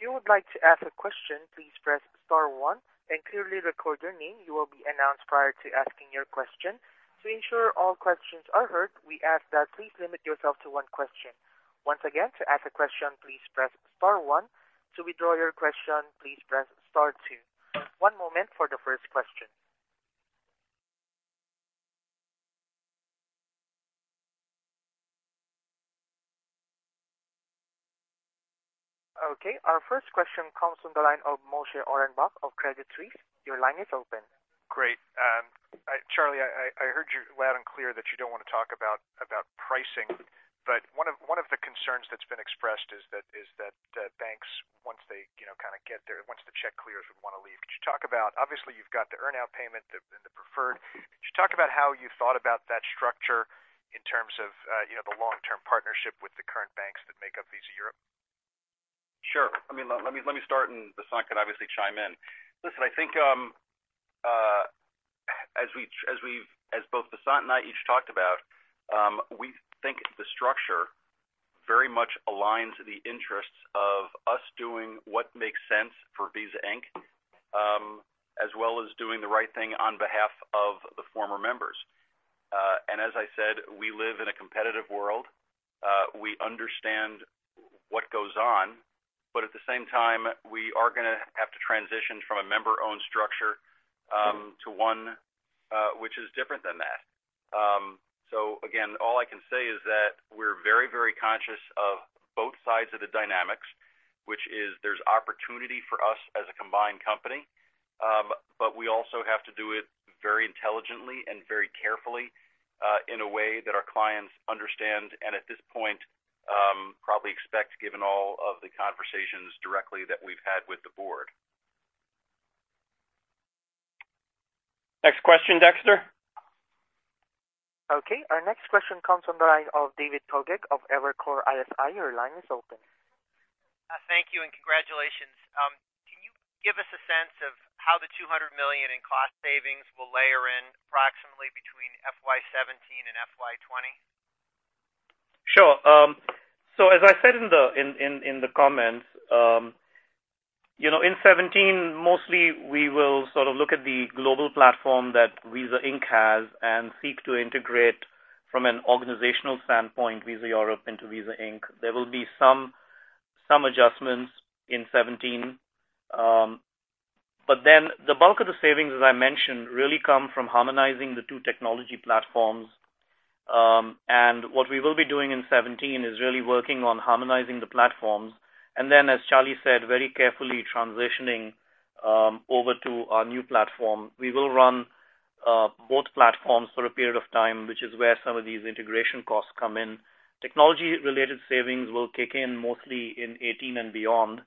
you would like to ask a question, please press star one and clearly record your name. You will be announced prior to asking your question. To ensure all questions are heard, we ask that please limit yourself to one question. Once again, to ask a question, please press star one. To withdraw your question, please press star two. One moment for the first question. Okay. Our first question comes from the line of Moshe Orenbuch of Credit Suisse. Your line is open. Great. Charlie, I heard you loud and clear that you don't want to talk about pricing. One of the concerns that's been expressed is that banks, once the check clears, would want to leave. Could you talk about, obviously, you've got the earn-out payment and the preferred. Could you talk about how you thought about that structure in terms of the long-term partnership with the current banks that make up Visa Europe? Sure. Let me start, Vasant can obviously chime in. Listen, I think as both Vasant and I each talked about, we think the structure very much aligns the interests of us doing what makes sense for Visa Inc., as well as doing the right thing on behalf of the former members. As I said, we live in a competitive world. We understand what goes on, at the same time, we are going to have to transition from a member-owned structure to one which is different than that. Again, all I can say is that we're very conscious of both sides of the dynamics, which is there's opportunity for us as a combined company. We also have to do it very intelligently and very carefully, in a way that our clients understand and at this point probably expect, given all of the conversations directly that we've had with the board. Next question, Dexter. Okay. Our next question comes from the line of David Togut of Evercore ISI. Your line is open. Thank you, and congratulations. Can you give us a sense of how the $200 million in cost savings will layer in approximately between FY 2017 and FY 2020? Sure. As I said in the comments, in 2017, mostly we will look at the global platform that Visa Inc. has and seek to integrate from an organizational standpoint, Visa Europe into Visa Inc. There will be some adjustments in 2017. The bulk of the savings, as I mentioned, really come from harmonizing the two technology platforms. What we will be doing in 2017 is really working on harmonizing the platforms. Then, as Charlie said, very carefully transitioning over to our new platform. We will run both platforms for a period of time, which is where some of these integration costs come in. Technology-related savings will kick in mostly in 2018 and beyond,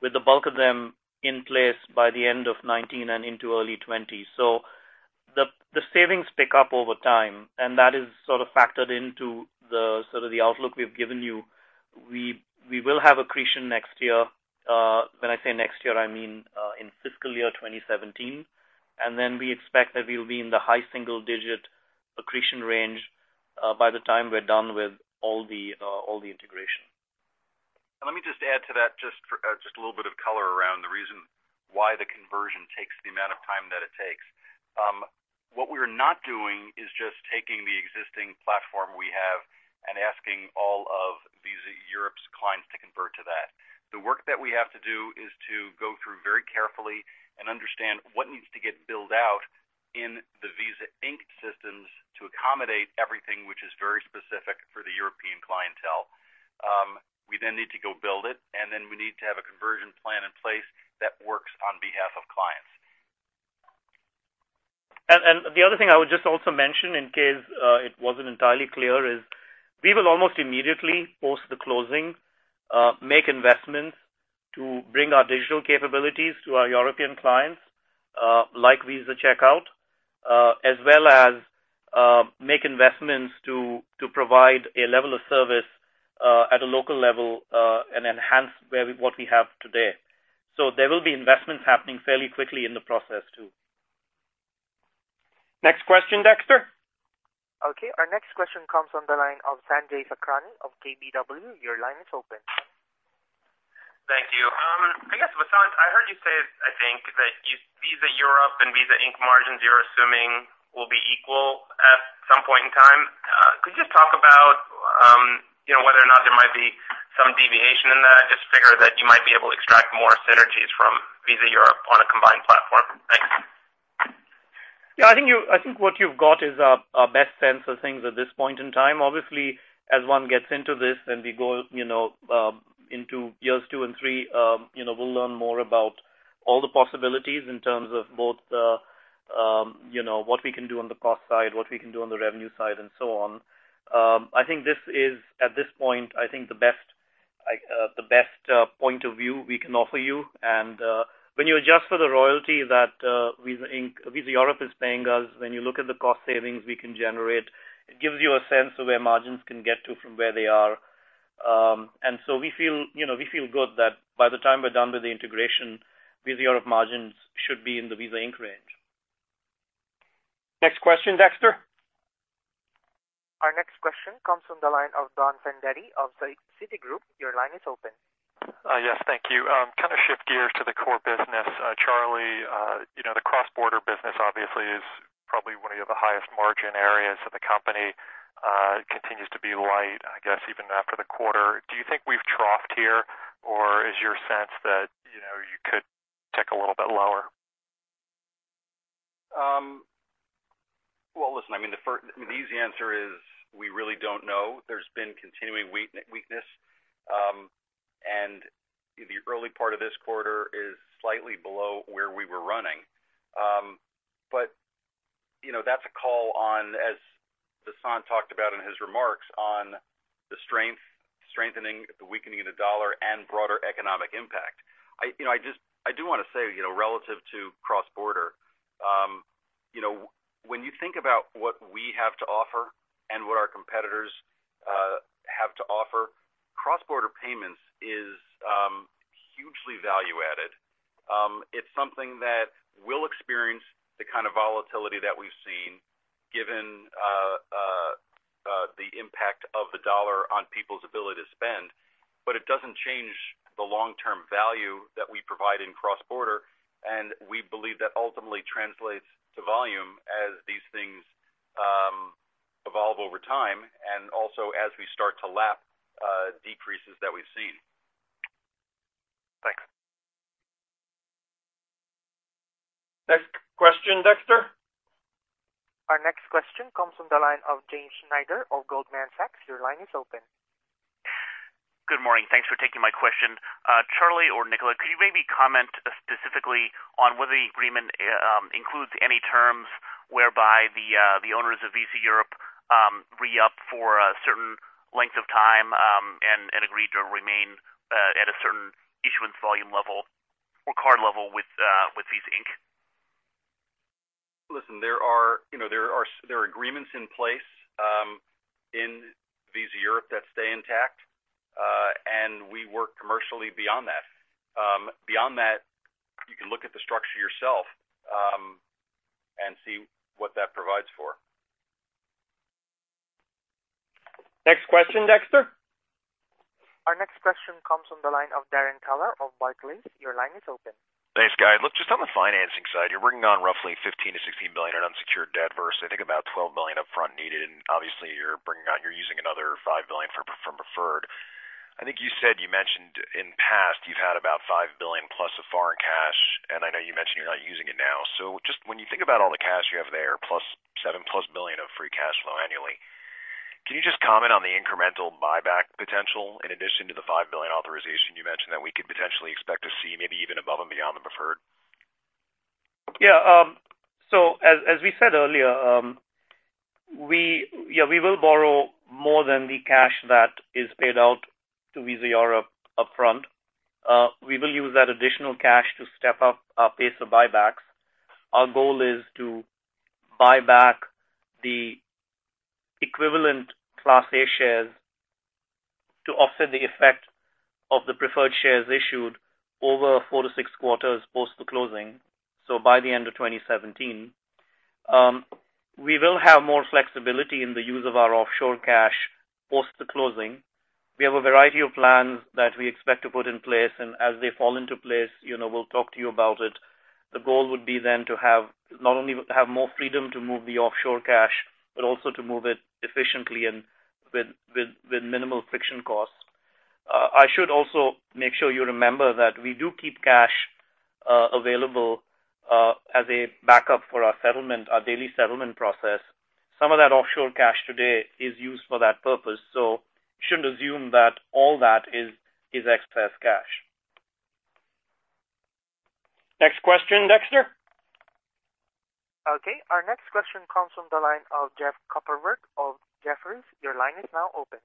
with the bulk of them in place by the end of 2019 and into early 2020. The savings pick up over time, and that is factored into the outlook we've given you. We will have accretion next year. When I say next year, I mean in fiscal year 2017. We expect that we will be in the high single-digit accretion range by the time we're done with all the integration. Let me just add to that just a little bit of color around the reason why the conversion takes the amount of time that it takes. What we're not doing is just taking the existing platform we have and asking all of Visa Europe's clients to convert to that. The work that we have to do is to go through very carefully and understand what needs to get built out in the Visa Inc. systems to accommodate everything which is very specific for the European clientele. We then need to go build it, and then we need to have a conversion plan in place that works on behalf of clients. The other thing I would just also mention in case it wasn't entirely clear is we will almost immediately post the closing, make investments to bring our digital capabilities to our European clients, like Visa Checkout, as well as make investments to provide a level of service at a local level and enhance what we have today. There will be investments happening fairly quickly in the process, too. Next question, Dexter. Okay. Our next question comes from the line of Sanjay Sakhrani of KBW. Your line is open. Thank you. I guess, Vasant, I heard you say, I think, that Visa Europe and Visa Inc. margins you're assuming will be equal at some point in time. Could you just talk about whether or not there might be some deviation in that? I just figure that you might be able to extract more synergies from Visa Europe on a combined platform. Thanks. Yeah, I think what you've got is our best sense of things at this point in time. Obviously, as one gets into this and we go into years two and three, we'll learn more about all the possibilities in terms of both what we can do on the cost side, what we can do on the revenue side, and so on. I think this is, at this point, I think the best point of view we can offer you. When you adjust for the royalty that Visa Europe is paying us, when you look at the cost savings we can generate, it gives you a sense of where margins can get to from where they are. So we feel good that by the time we're done with the integration, Visa Europe margins should be in the Visa Inc. range. Next question, Dexter. Our next question comes from the line of Donald Fandetti of Citigroup. Your line is open. Yes, thank you. Kind of shift gears to the core business. Charlie, the cross-border business obviously is probably one of the highest margin areas of the company. Continues to be light, I guess, even after the quarter. Do you think we've troughed here, or is your sense that you could tick a little bit lower? Well, listen, the easy answer is we really don't know. There's been continuing weakness. The early part of this quarter is slightly below where we were running. That's a call on, as Vasant talked about in his remarks, on the strengthening, the weakening of the dollar and broader economic impact. I do want to say, relative to cross-border, when you think about what we have to offer and what our competitors have to offer, cross-border payments is hugely value added. It's something that will experience the kind of volatility that we've seen given the impact of the dollar on people's ability to spend. It doesn't change the long-term value that we provide in cross-border, and we believe that ultimately translates to volume as these things evolve over time, and also as we start to lap decreases that we've seen. Thanks. Next question, Dexter. Our next question comes from the line of James Schneider of Goldman Sachs. Your line is open. Good morning. Thanks for taking my question. Charlie or Nicolas, could you maybe comment specifically on whether the agreement includes any terms whereby the owners of Visa Europe re-up for a certain length of time and agree to remain at a certain issuance volume level or card level with Visa Inc.? Listen, there are agreements in place in Visa Europe that stay intact. We work commercially beyond that. Beyond that, you can look at the structure yourself and see what that provides for. Next question, Dexter. Our next question comes from the line of Darrin Peller of Barclays. Your line is open. Thanks, guys. Look, just on the financing side, you're bringing on roughly $15 billion-$16 billion in unsecured debt versus I think about $12 billion up front needed. Obviously you're using another $5 billion from preferred. I think you said you mentioned in past you've had about $5 billion plus of foreign cash, I know you mentioned you're not using it now. Just when you think about all the cash you have there, plus $7 billion plus of free cash flow annually, can you just comment on the incremental buyback potential in addition to the $5 billion authorization you mentioned that we could potentially expect to see maybe even above and beyond the preferred? Yeah. As we said earlier, we will borrow more than the cash that is paid out to Visa Europe upfront. We will use that additional cash to step up our pace of buybacks. Our goal is to buy back the equivalent Class A shares to offset the effect of the preferred shares issued over four to six quarters post the closing, so by the end of 2017. We will have more flexibility in the use of our offshore cash post the closing. We have a variety of plans that we expect to put in place, as they fall into place we'll talk to you about it. The goal would be to not only have more freedom to move the offshore cash, but also to move it efficiently and with minimal friction cost. I should also make sure you remember that we do keep cash available as a backup for our daily settlement process. Some of that offshore cash today is used for that purpose. You shouldn't assume that all that is excess cash. Next question, Dexter. Okay, our next question comes from the line of Jason Kupferberg of Jefferies. Your line is now open.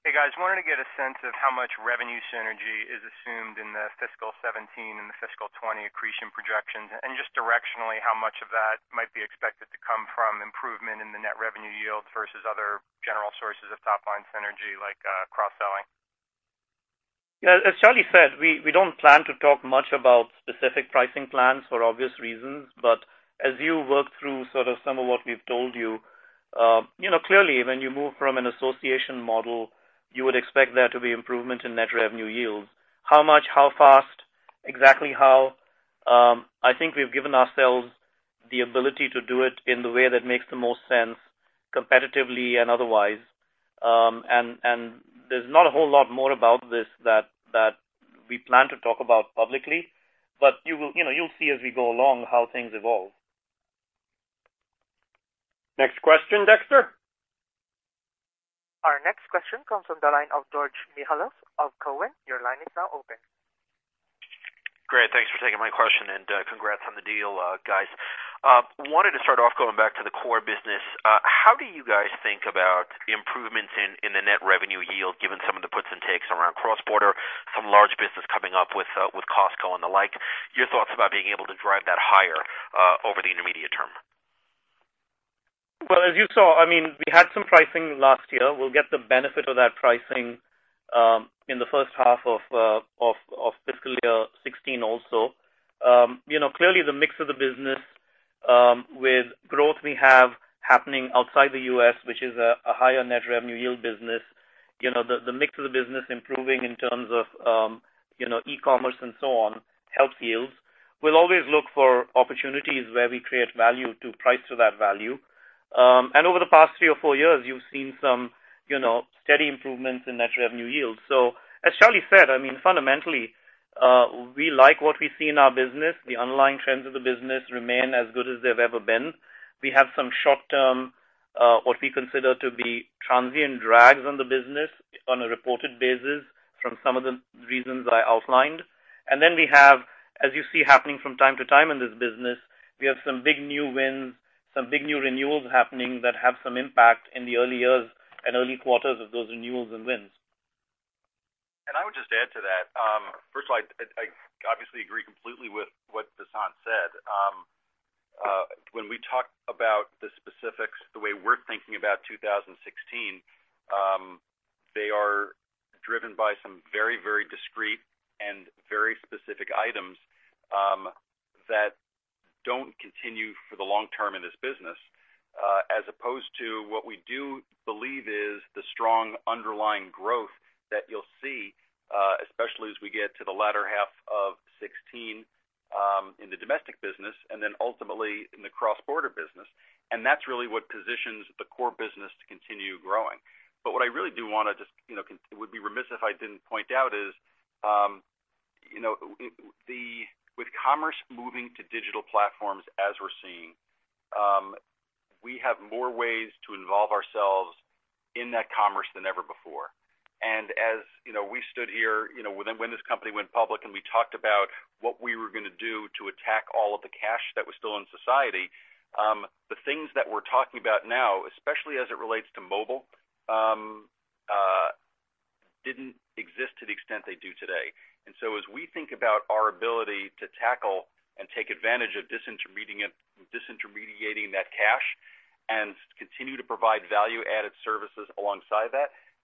Hey, guys. Wanted to get a sense of how much revenue synergy is assumed in the fiscal 2017 and the fiscal 2020 accretion projections, and just directionally, how much of that might be expected to come from improvement in the net revenue yield versus other general sources of top-line synergy like cross-selling. As Charlie said, we don't plan to talk much about specific pricing plans for obvious reasons. As you work through sort of some of what we've told you, clearly when you move from an association model, you would expect there to be improvement in net revenue yields. How much, how fast, exactly how? I think we've given ourselves the ability to do it in the way that makes the most sense competitively and otherwise. There's not a whole lot more about this that we plan to talk about publicly. You'll see as we go along how things evolve. Next question, Dexter. Our next question comes from the line of Georgios Mihalos of Cowen. Your line is now open. Great. Thanks for taking my question, and congrats on the deal, guys. Wanted to start off going back to the core business. How do you guys think about improvements in the net revenue yield given some of the puts and takes around cross-border, some large business coming up with Costco and the like? Your thoughts about being able to drive that higher over the intermediate term. Well, as you saw, we had some pricing last year. We'll get the benefit of that pricing in the first half of fiscal year 2016 also. Clearly, the mix of the business with growth we have happening outside the U.S., which is a higher net revenue yield business. The mix of the business improving in terms of e-commerce and so on, helps yields. We'll always look for opportunities where we create value to price to that value. Over the past three or four years, you've seen some steady improvements in net revenue yield. As Charlie said, fundamentally, we like what we see in our business. The underlying trends of the business remain as good as they've ever been. We have some short-term, what we consider to be transient drags on the business on a reported basis from some of the reasons I outlined. We have, as you see happening from time to time in this business, we have some big new wins, some big new renewals happening that have some impact in the early years and early quarters of those renewals and wins. I would just add to that. First of all, I obviously agree completely with what Vasant said. When we talk about the specifics, the way we're thinking about 2016, they are driven by some very discreet and very specific items that don't continue for the long term in this business as opposed to what we do believe is the strong underlying growth that you'll see, especially as we get to the latter half of 2016 in the domestic business and then ultimately in the cross-border business. That's really what positions the core business to continue growing. What I really do want to just, it would be remiss if I didn't point out is, with commerce moving to digital platforms as we're seeing, we have more ways to involve ourselves in that commerce than ever before. As we stood here when this company went public, and we talked about what we were going to do to attack all of the cash that was still in society, the things that we're talking about now, especially as it relates to mobile, didn't exist to the extent they do today. As we think about our ability to tackle and take advantage of disintermediating that cash and continue to provide value-added services alongside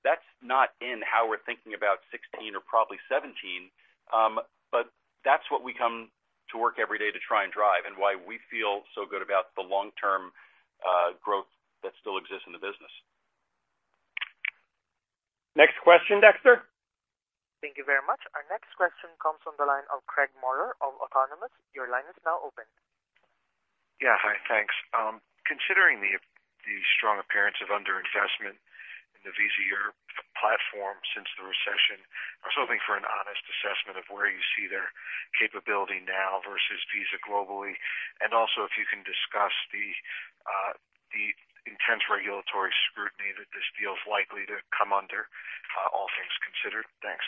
that's not in how we're thinking about 2016 or probably 2017. That's what we come to work every day to try and drive, and why we feel so good about the long-term growth that still exists in the business. Next question, Dexter. Thank you very much. Our next question comes from the line of Craig Maurer of Autonomous. Your line is now open. Hi, thanks. Considering the strong appearance of underinvestment in the Visa Europe platform since the recession, I was hoping for an honest assessment of where you see their capability now versus Visa globally. Also if you can discuss the intense regulatory scrutiny that this deal's likely to come under all things considered. Thanks.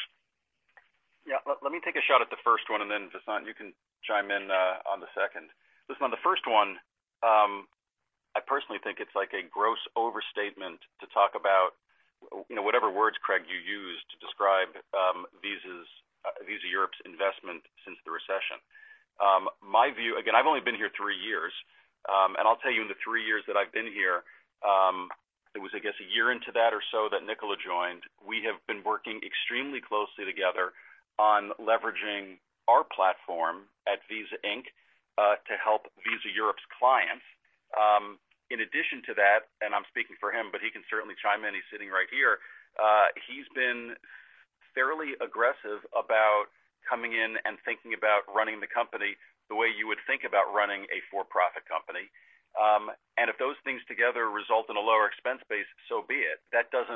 Let me take a shot at the first one, Vasant, you can chime in on the second. Listen, on the first one, I personally think it's like a gross overstatement to talk about whatever words, Craig, you used to describe Visa Europe's investment since the recession. My view, again, I've only been here three years. I'll tell you in the three years that I've been here, it was, I guess, a year into that or so that Nicolas joined. We have been working extremely closely together on leveraging our platform at Visa Inc. to help Visa Europe's clients. In addition to that, I'm speaking for him, he can certainly chime in, he's sitting right here. He's been fairly aggressive about coming in and thinking about running the company the way you would think about running a for-profit company. If those things together result in a lower expense base, so be it. That does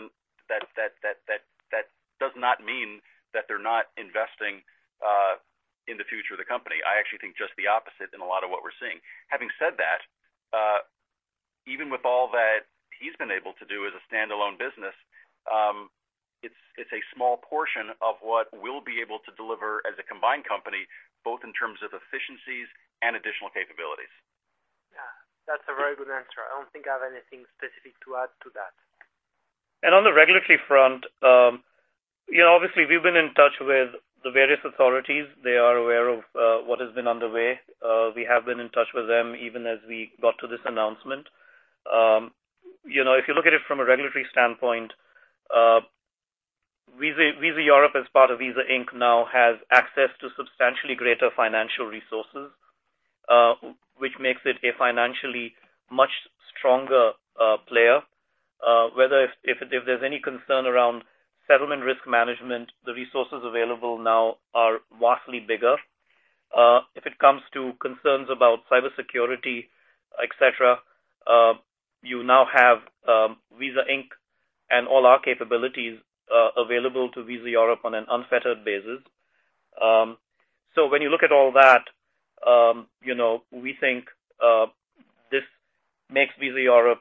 not mean that they're not investing in the future of the company. I actually think just the opposite in a lot of what we're seeing. Having said that, even with all that he's been able to do as a standalone business, it's a small portion of what we'll be able to deliver as a combined company, both in terms of efficiencies and additional capabilities. Yeah. That's a very good answer. I don't think I have anything specific to add to that. On the regulatory front, obviously we've been in touch with the various authorities. They are aware of what has been underway. We have been in touch with them even as we got to this announcement. If you look at it from a regulatory standpoint, Visa Europe as part of Visa Inc. now has access to substantially greater financial resources, which makes it a financially much stronger player. Whether if there's any concern around settlement risk management, the resources available now are vastly bigger. If it comes to concerns about cybersecurity, et cetera, you now have Visa Inc. and all our capabilities available to Visa Europe on an unfettered basis. When you look at all that, we think this makes Visa Europe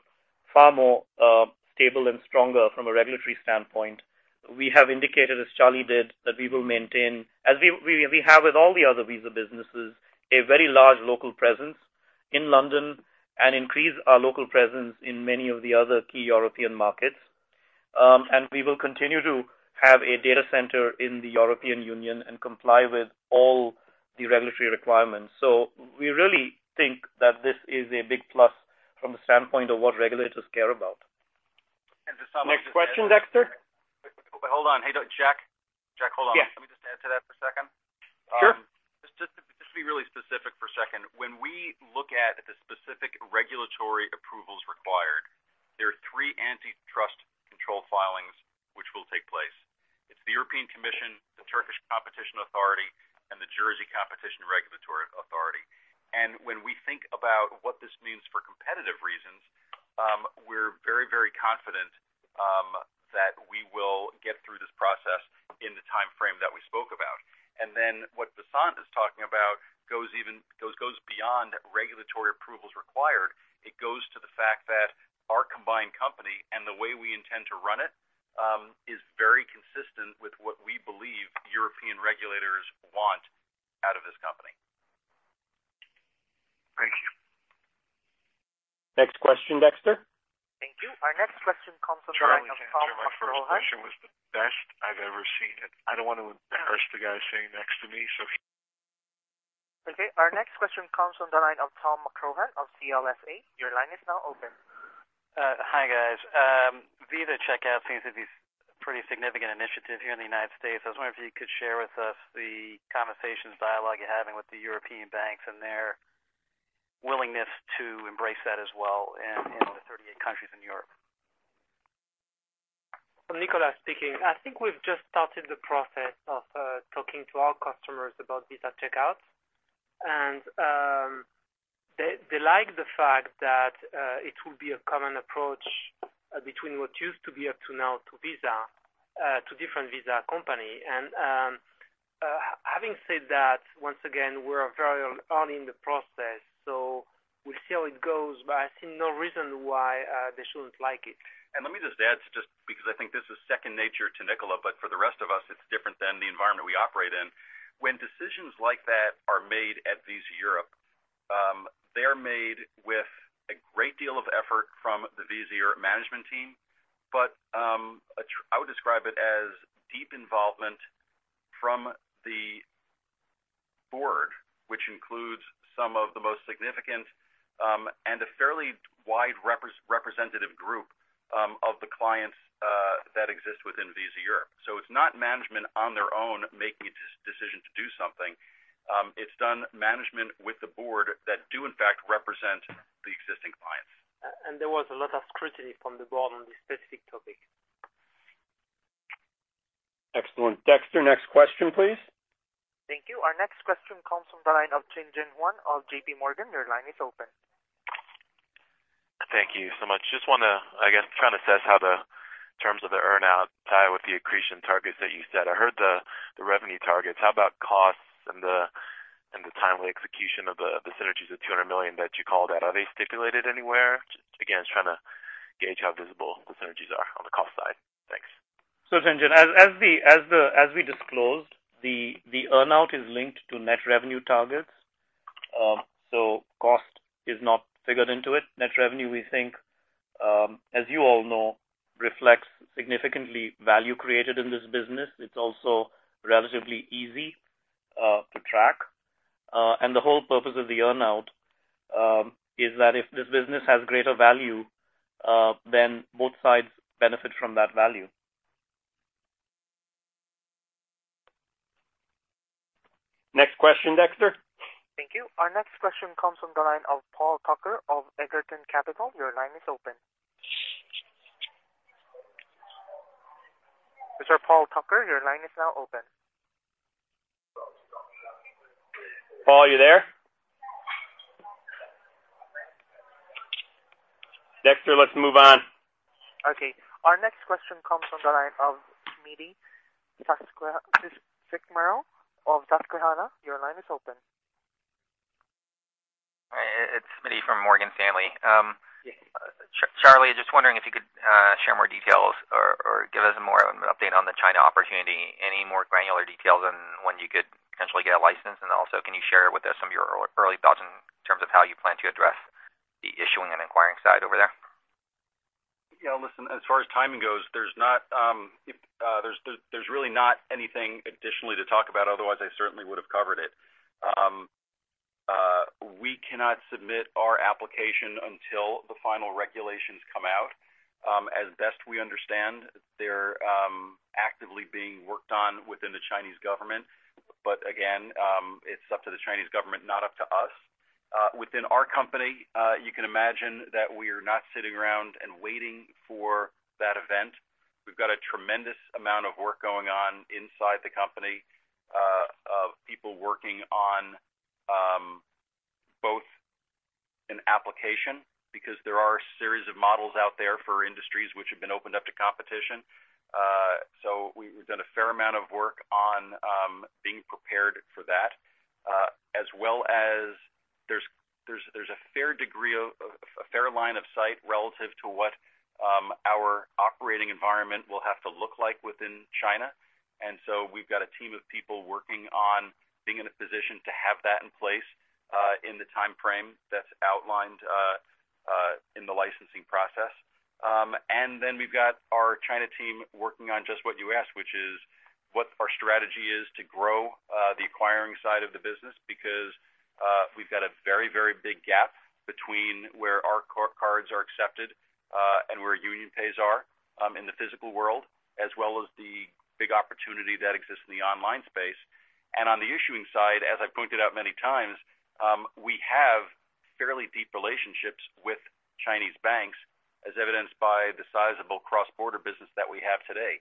far more stable and stronger from a regulatory standpoint. We have indicated, as Charlie did, that we will maintain, as we have with all the other Visa businesses, a very large local presence in London and increase our local presence in many of the other key European markets We will continue to have a data center in the European Union and comply with all the regulatory requirements. We really think that this is a big plus from the standpoint of what regulators care about. Next question, Dexter. Hold on. Hey, Jack. Jack, hold on. Yes. Let me just add to that for a second. Sure. Just to be really specific for a second. When we look at the specific regulatory approvals required, there are three antitrust control filings which will take place. It's the European Commission, the Turkish Competition Authority, and the Jersey Competition Regulatory Authority. When we think about what this means for competitive reasons, we're very confident that we will get through this process in the timeframe that we spoke about. Then what Vasant is talking about goes beyond regulatory approvals required. It goes to the fact that our combined company and the way we intend to run it is very consistent with what we believe European regulators want out of this company. Thank you. Next question, Dexter. Thank you. Our next question comes from the line of Thomas McCrohan. So my first question was the best I've ever seen it. I don't want to embarrass the guy sitting next to me, so- Okay. Our next question comes from the line of Thomas McCrohan of CLSA. Your line is now open. Hi, guys. Visa Checkout seems to be a pretty significant initiative here in the U.S. I was wondering if you could share with us the conversations, dialogue you're having with the European banks and their willingness to embrace that as well in the 38 countries in Europe. Nicolas speaking. I think we've just started the process of talking to our customers about Visa Checkout. They like the fact that it will be a common approach between what used to be up to now two Visa, two different Visa companies. Having said that, once again, we're very early in the process, we'll see how it goes, but I see no reason why they shouldn't like it. Let me just add, just because I think this is second nature to Nicolas, but for the rest of us, it's different than the environment we operate in. When decisions like that are made at Visa Europe, they're made with a great deal of effort from the Visa Europe management team. I would describe it as deep involvement from the board, which includes some of the most significant, and a fairly wide representative group of the clients that exist within Visa Europe. It's not management on their own making a decision to do something. It's done management with the board that do in fact represent the existing clients. There was a lot of scrutiny from the board on this specific topic. Excellent. Dexter, next question, please. Thank you. Our next question comes from the line of Tien-Tsin Huang of JPMorgan. Your line is open. Thank you so much. I guess, trying to assess how the terms of the earn-out tie with the accretion targets that you set. I heard the revenue targets. How about costs and the timely execution of the synergies of $200 million that you called out? Are they stipulated anywhere? Again, just trying to gauge how visible the synergies are on the cost side. Thanks. Tien-Tsin Huang, as we disclosed, the earn-out is linked to net revenue targets. Cost is not figured into it. Net revenue, we think, as you all know, reflects significantly value created in this business. It's also relatively easy to track. The whole purpose of the earn-out is that if this business has greater value, then both sides benefit from that value. Next question, Dexter. Thank you. Our next question comes from the line of Paul Tucker of Egerton Capital. Your line is open. Mr. Paul Tucker, your line is now open. Paul, are you there? Dexter, let's move on. Okay. Our next question comes from the line of [Smitti Srethabhakti] of Susquehanna. Your line is open. It's Smitti from Morgan Stanley. Yes. Charlie, just wondering if you could share more details or give us more of an update on the China opportunity. Any more granular details on when you could potentially get a license? Also, can you share with us some of your early thoughts in terms of how you plan to address the issuing and acquiring side over there? Yeah, listen, as far as timing goes, there's really not anything additionally to talk about, otherwise I certainly would have covered it. We cannot submit our application until the final regulations come out. As best we understand, they're actively being worked on within the Chinese Government. Again, it's up to the Chinese Government, not up to us. Within our company, you can imagine that we are not sitting around and waiting for that event. We've got a tremendous amount of work going on inside the company, of people working on both an application because there are a series of models out there for industries which have been opened up to competition. We've done a fair amount of work on being prepared for that, as well as there's a fair line of sight relative to what our operating environment will have to look like within China. We've got a team of people working on being in a position to have that in place. In the timeframe that's outlined in the licensing process. Then we've got our China team working on just what you asked, which is what our strategy is to grow the acquiring side of the business because we've got a very big gap between where our cards are accepted and where UnionPay's are in the physical world, as well as the big opportunity that exists in the online space. On the issuing side, as I've pointed out many times, we have fairly deep relationships with Chinese banks, as evidenced by the sizable cross-border business that we have today.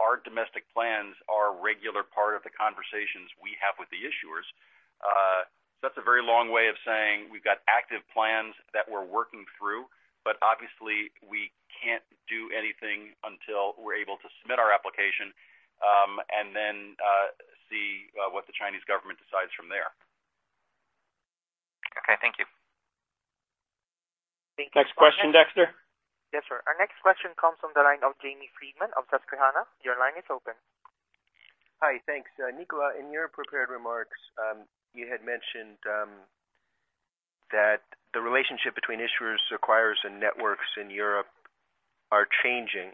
Our domestic plans are a regular part of the conversations we have with the issuers. That's a very long way of saying we've got active plans that we're working through, but obviously we can't do anything until we're able to submit our application and then see what the Chinese Government decides from there. Okay. Thank you. Thank you. Next question, Dexter? Yes, sir. Our next question comes from the line of James Friedman of Susquehanna. Your line is open. Hi, thanks. Nicolas, in your prepared remarks, you had mentioned that the relationship between issuers, acquirers, and networks in Europe are changing.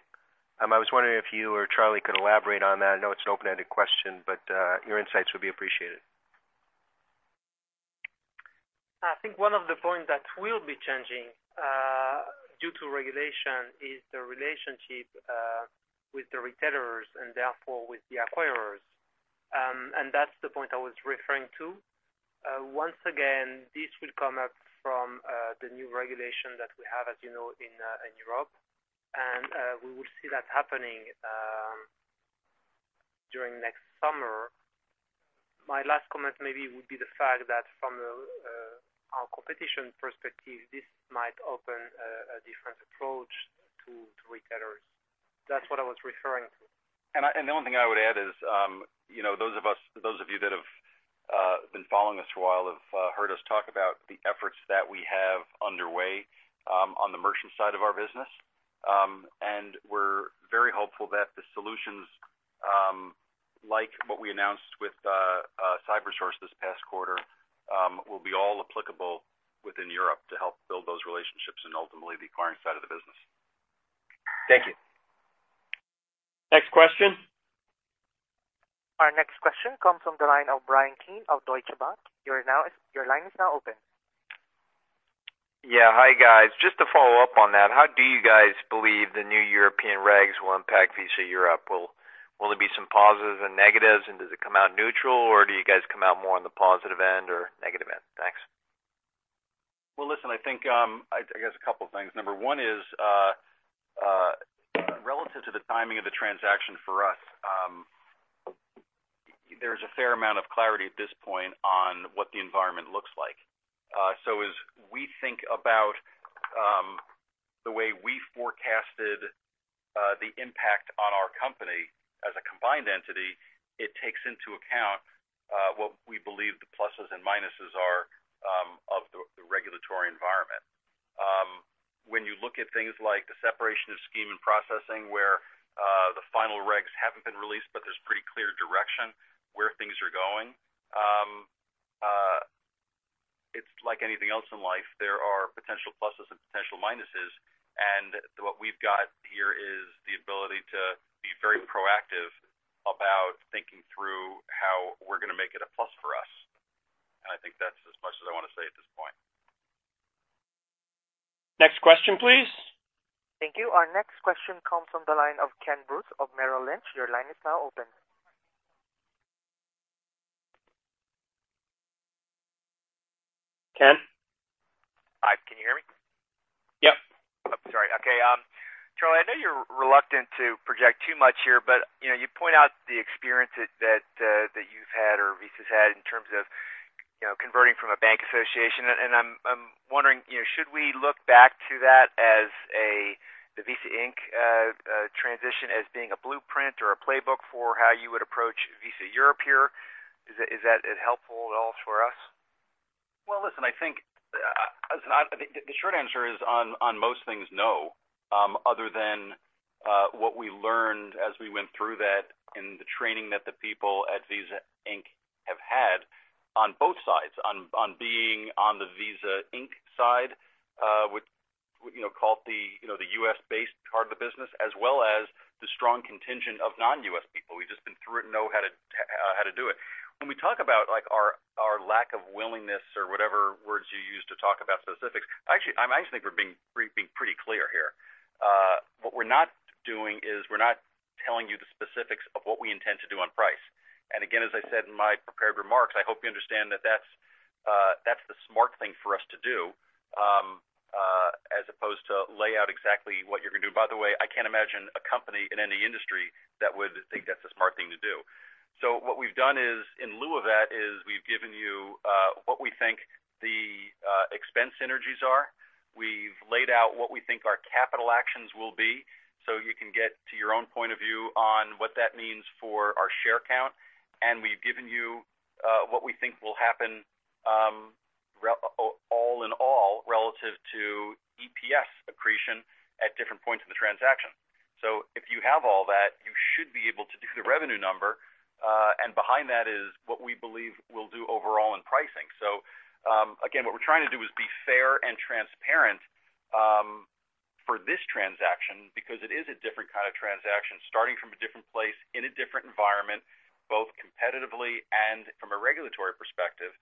I was wondering if you or Charlie could elaborate on that. I know it's an open-ended question, but your insights would be appreciated. I think one of the points that will be changing due to regulation is the relationship with the retailers and therefore with the acquirers. That's the point I was referring to. Once again, this will come up from the new regulation that we have, as you know, in Europe. We will see that happening during next summer. My last comment maybe would be the fact that from our competition perspective, this might open a different approach to retailers. That's what I was referring to. The only thing I would add is, those of you that have been following us for a while have heard us talk about the efforts that we have underway on the merchant side of our business. We're very hopeful that the solutions, like what we announced with CyberSource this past quarter, will be all applicable within Europe to help build those relationships and ultimately the acquiring side of the business. Thank you. Next question. Our next question comes from the line of Bryan Keane of Deutsche Bank. Your line is now open. Yeah. Hi, guys. Just to follow up on that, how do you guys believe the new European regs will impact Visa Europe? Will there be some positives and negatives? Does it come out neutral, or do you guys come out more on the positive end or negative end? Thanks. Well, listen, I think, I guess a couple things. Number one is relative to the timing of the transaction for us, there's a fair amount of clarity at this point on what the environment looks like. As we think about the way we forecasted the impact on our company as a combined entity, it takes into account what we believe the pluses and minuses are of the regulatory environment. When you look at things like the separation of scheme and processing, where the final regs haven't been released, there's pretty clear direction where things are going. It's like anything else in life. There are potential pluses and potential minuses. What we've got here is the ability to be very proactive about thinking through how we're going to make it a plus for us. I think that's as much as I want to say at this point. Next question, please. Thank you. Our next question comes from the line of Kenneth Bruce of Merrill Lynch. Your line is now open. Ken? Hi, can you hear me? Yep. Oh, sorry. Okay. Charlie, I know you're reluctant to project too much here, you point out the experience that you've had or Visa's had in terms of converting from a bank association. I'm wondering, should we look back to that as the Visa Inc. transition as being a blueprint or a playbook for how you would approach Visa Europe here? Is that helpful at all for us? Well, listen, I think the short answer is on most things, no other than what we learned as we went through that and the training that the people at Visa Inc. have had on both sides. On being on the Visa Inc. side, we call it the U.S.-based card business, as well as the strong contingent of non-U.S. people. We've just been through it and know how to do it. When we talk about our lack of willingness or whatever words you use to talk about specifics, actually, I think we're being pretty clear here. What we're not doing is we're not telling you the specifics of what we intend to do on price. Again, as I said in my prepared remarks, I hope you understand that's the smart thing for us to do as opposed to lay out exactly what you're going to do. By the way, I can't imagine a company in any industry that would think that's a smart thing to do. What we've done is in lieu of that is we've given you what we think the expense synergies are. We've laid out what we think our capital actions will be, so you can get to your own point of view on what that means for our share count. We've given you what we think will happen on Relative to EPS accretion at different points in the transaction. If you have all that, you should be able to do the revenue number. Behind that is what we believe we'll do overall in pricing. Again, what we're trying to do is be fair and transparent for this transaction because it is a different kind of transaction, starting from a different place, in a different environment, both competitively and from a regulatory perspective.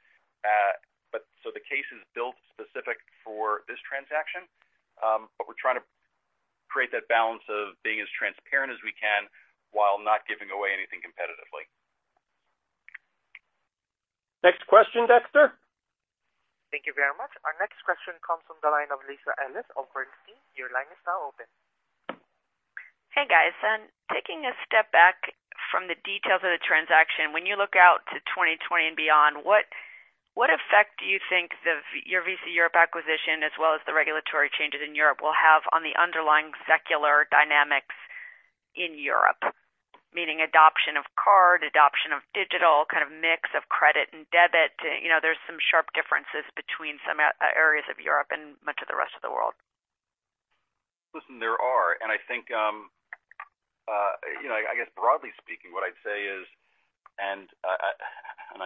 The case is built specific for this transaction. We're trying to create that balance of being as transparent as we can while not giving away anything competitively. Next question, Dexter. Thank you very much. Our next question comes from the line of Lisa Ellis of Bernstein. Your line is now open. Hey, guys. Taking a step back from the details of the transaction, when you look out to 2020 and beyond, what effect do you think your Visa Europe acquisition, as well as the regulatory changes in Europe, will have on the underlying secular dynamics in Europe? Meaning adoption of card, adoption of digital, kind of mix of credit and debit. There's some sharp differences between some areas of Europe and much of the rest of the world. Listen, there are, I think, I guess broadly speaking, what I'd say is, I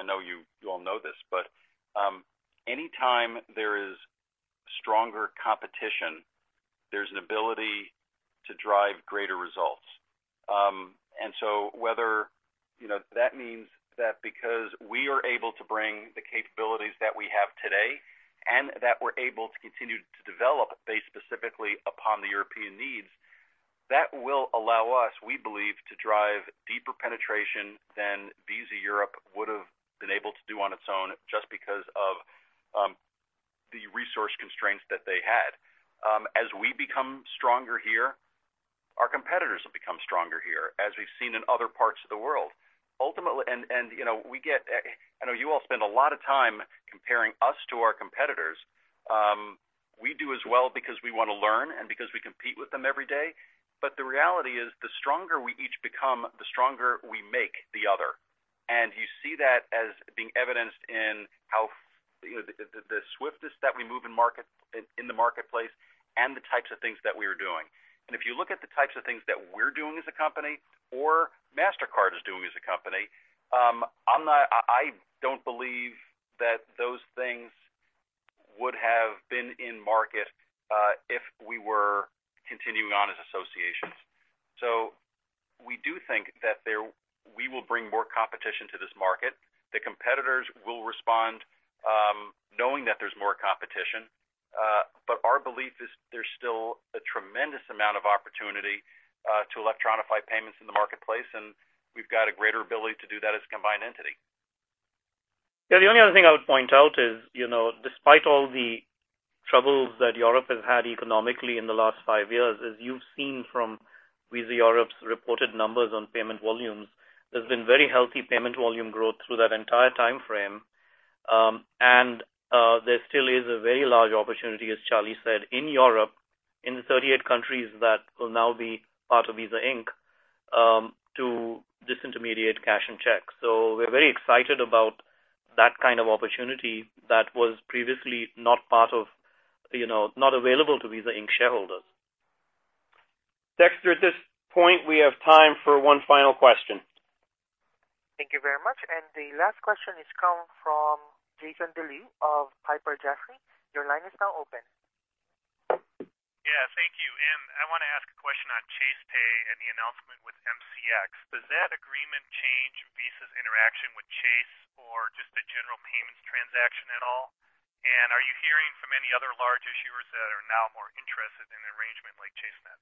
know you all know this, but anytime there is stronger competition, there's an ability to drive greater results. So whether that means that because we are able to bring the capabilities that we have today and that we're able to continue to develop based specifically upon the European needs, that will allow us, we believe, to drive deeper penetration than Visa Europe would've been able to do on its own, just because of the resource constraints that they had. As we become stronger here, our competitors will become stronger here, as we've seen in other parts of the world. Ultimately, I know you all spend a lot of time comparing us to our competitors. We do as well because we want to learn and because we compete with them every day. The reality is, the stronger we each become, the stronger we make the other. You see that as being evidenced in how the swiftness that we move in the marketplace and the types of things that we are doing. If you look at the types of things that we are doing as a company or Mastercard is doing as a company, I don't believe that those things would have been in market if we were continuing on as associations. We do think that we will bring more competition to this market. The competitors will respond knowing that there's more competition. Our belief is there's still a tremendous amount of opportunity to electronify payments in the marketplace, and we've got a greater ability to do that as a combined entity. The only other thing I would point out is, despite all the troubles that Europe has had economically in the last five years, as you've seen from Visa Europe's reported numbers on payment volumes, there's been very healthy payment volume growth through that entire timeframe. There still is a very large opportunity, as Charlie said, in Europe, in the 38 countries that will now be part of Visa Inc., to disintermediate cash and checks. We're very excited about that kind of opportunity that was previously not available to Visa Inc. shareholders. Dexter, at this point, we have time for one final question. Thank you very much. The last question is coming from Jason Deleeuw of Piper Jaffray. Your line is now open. Yeah, thank you. I want to ask a question on Chase Pay and the announcement with MCX. Does that agreement change Visa's interaction with Chase or just the general payments transaction at all? Are you hearing from any other large issuers that are now more interested in an arrangement like Chase made?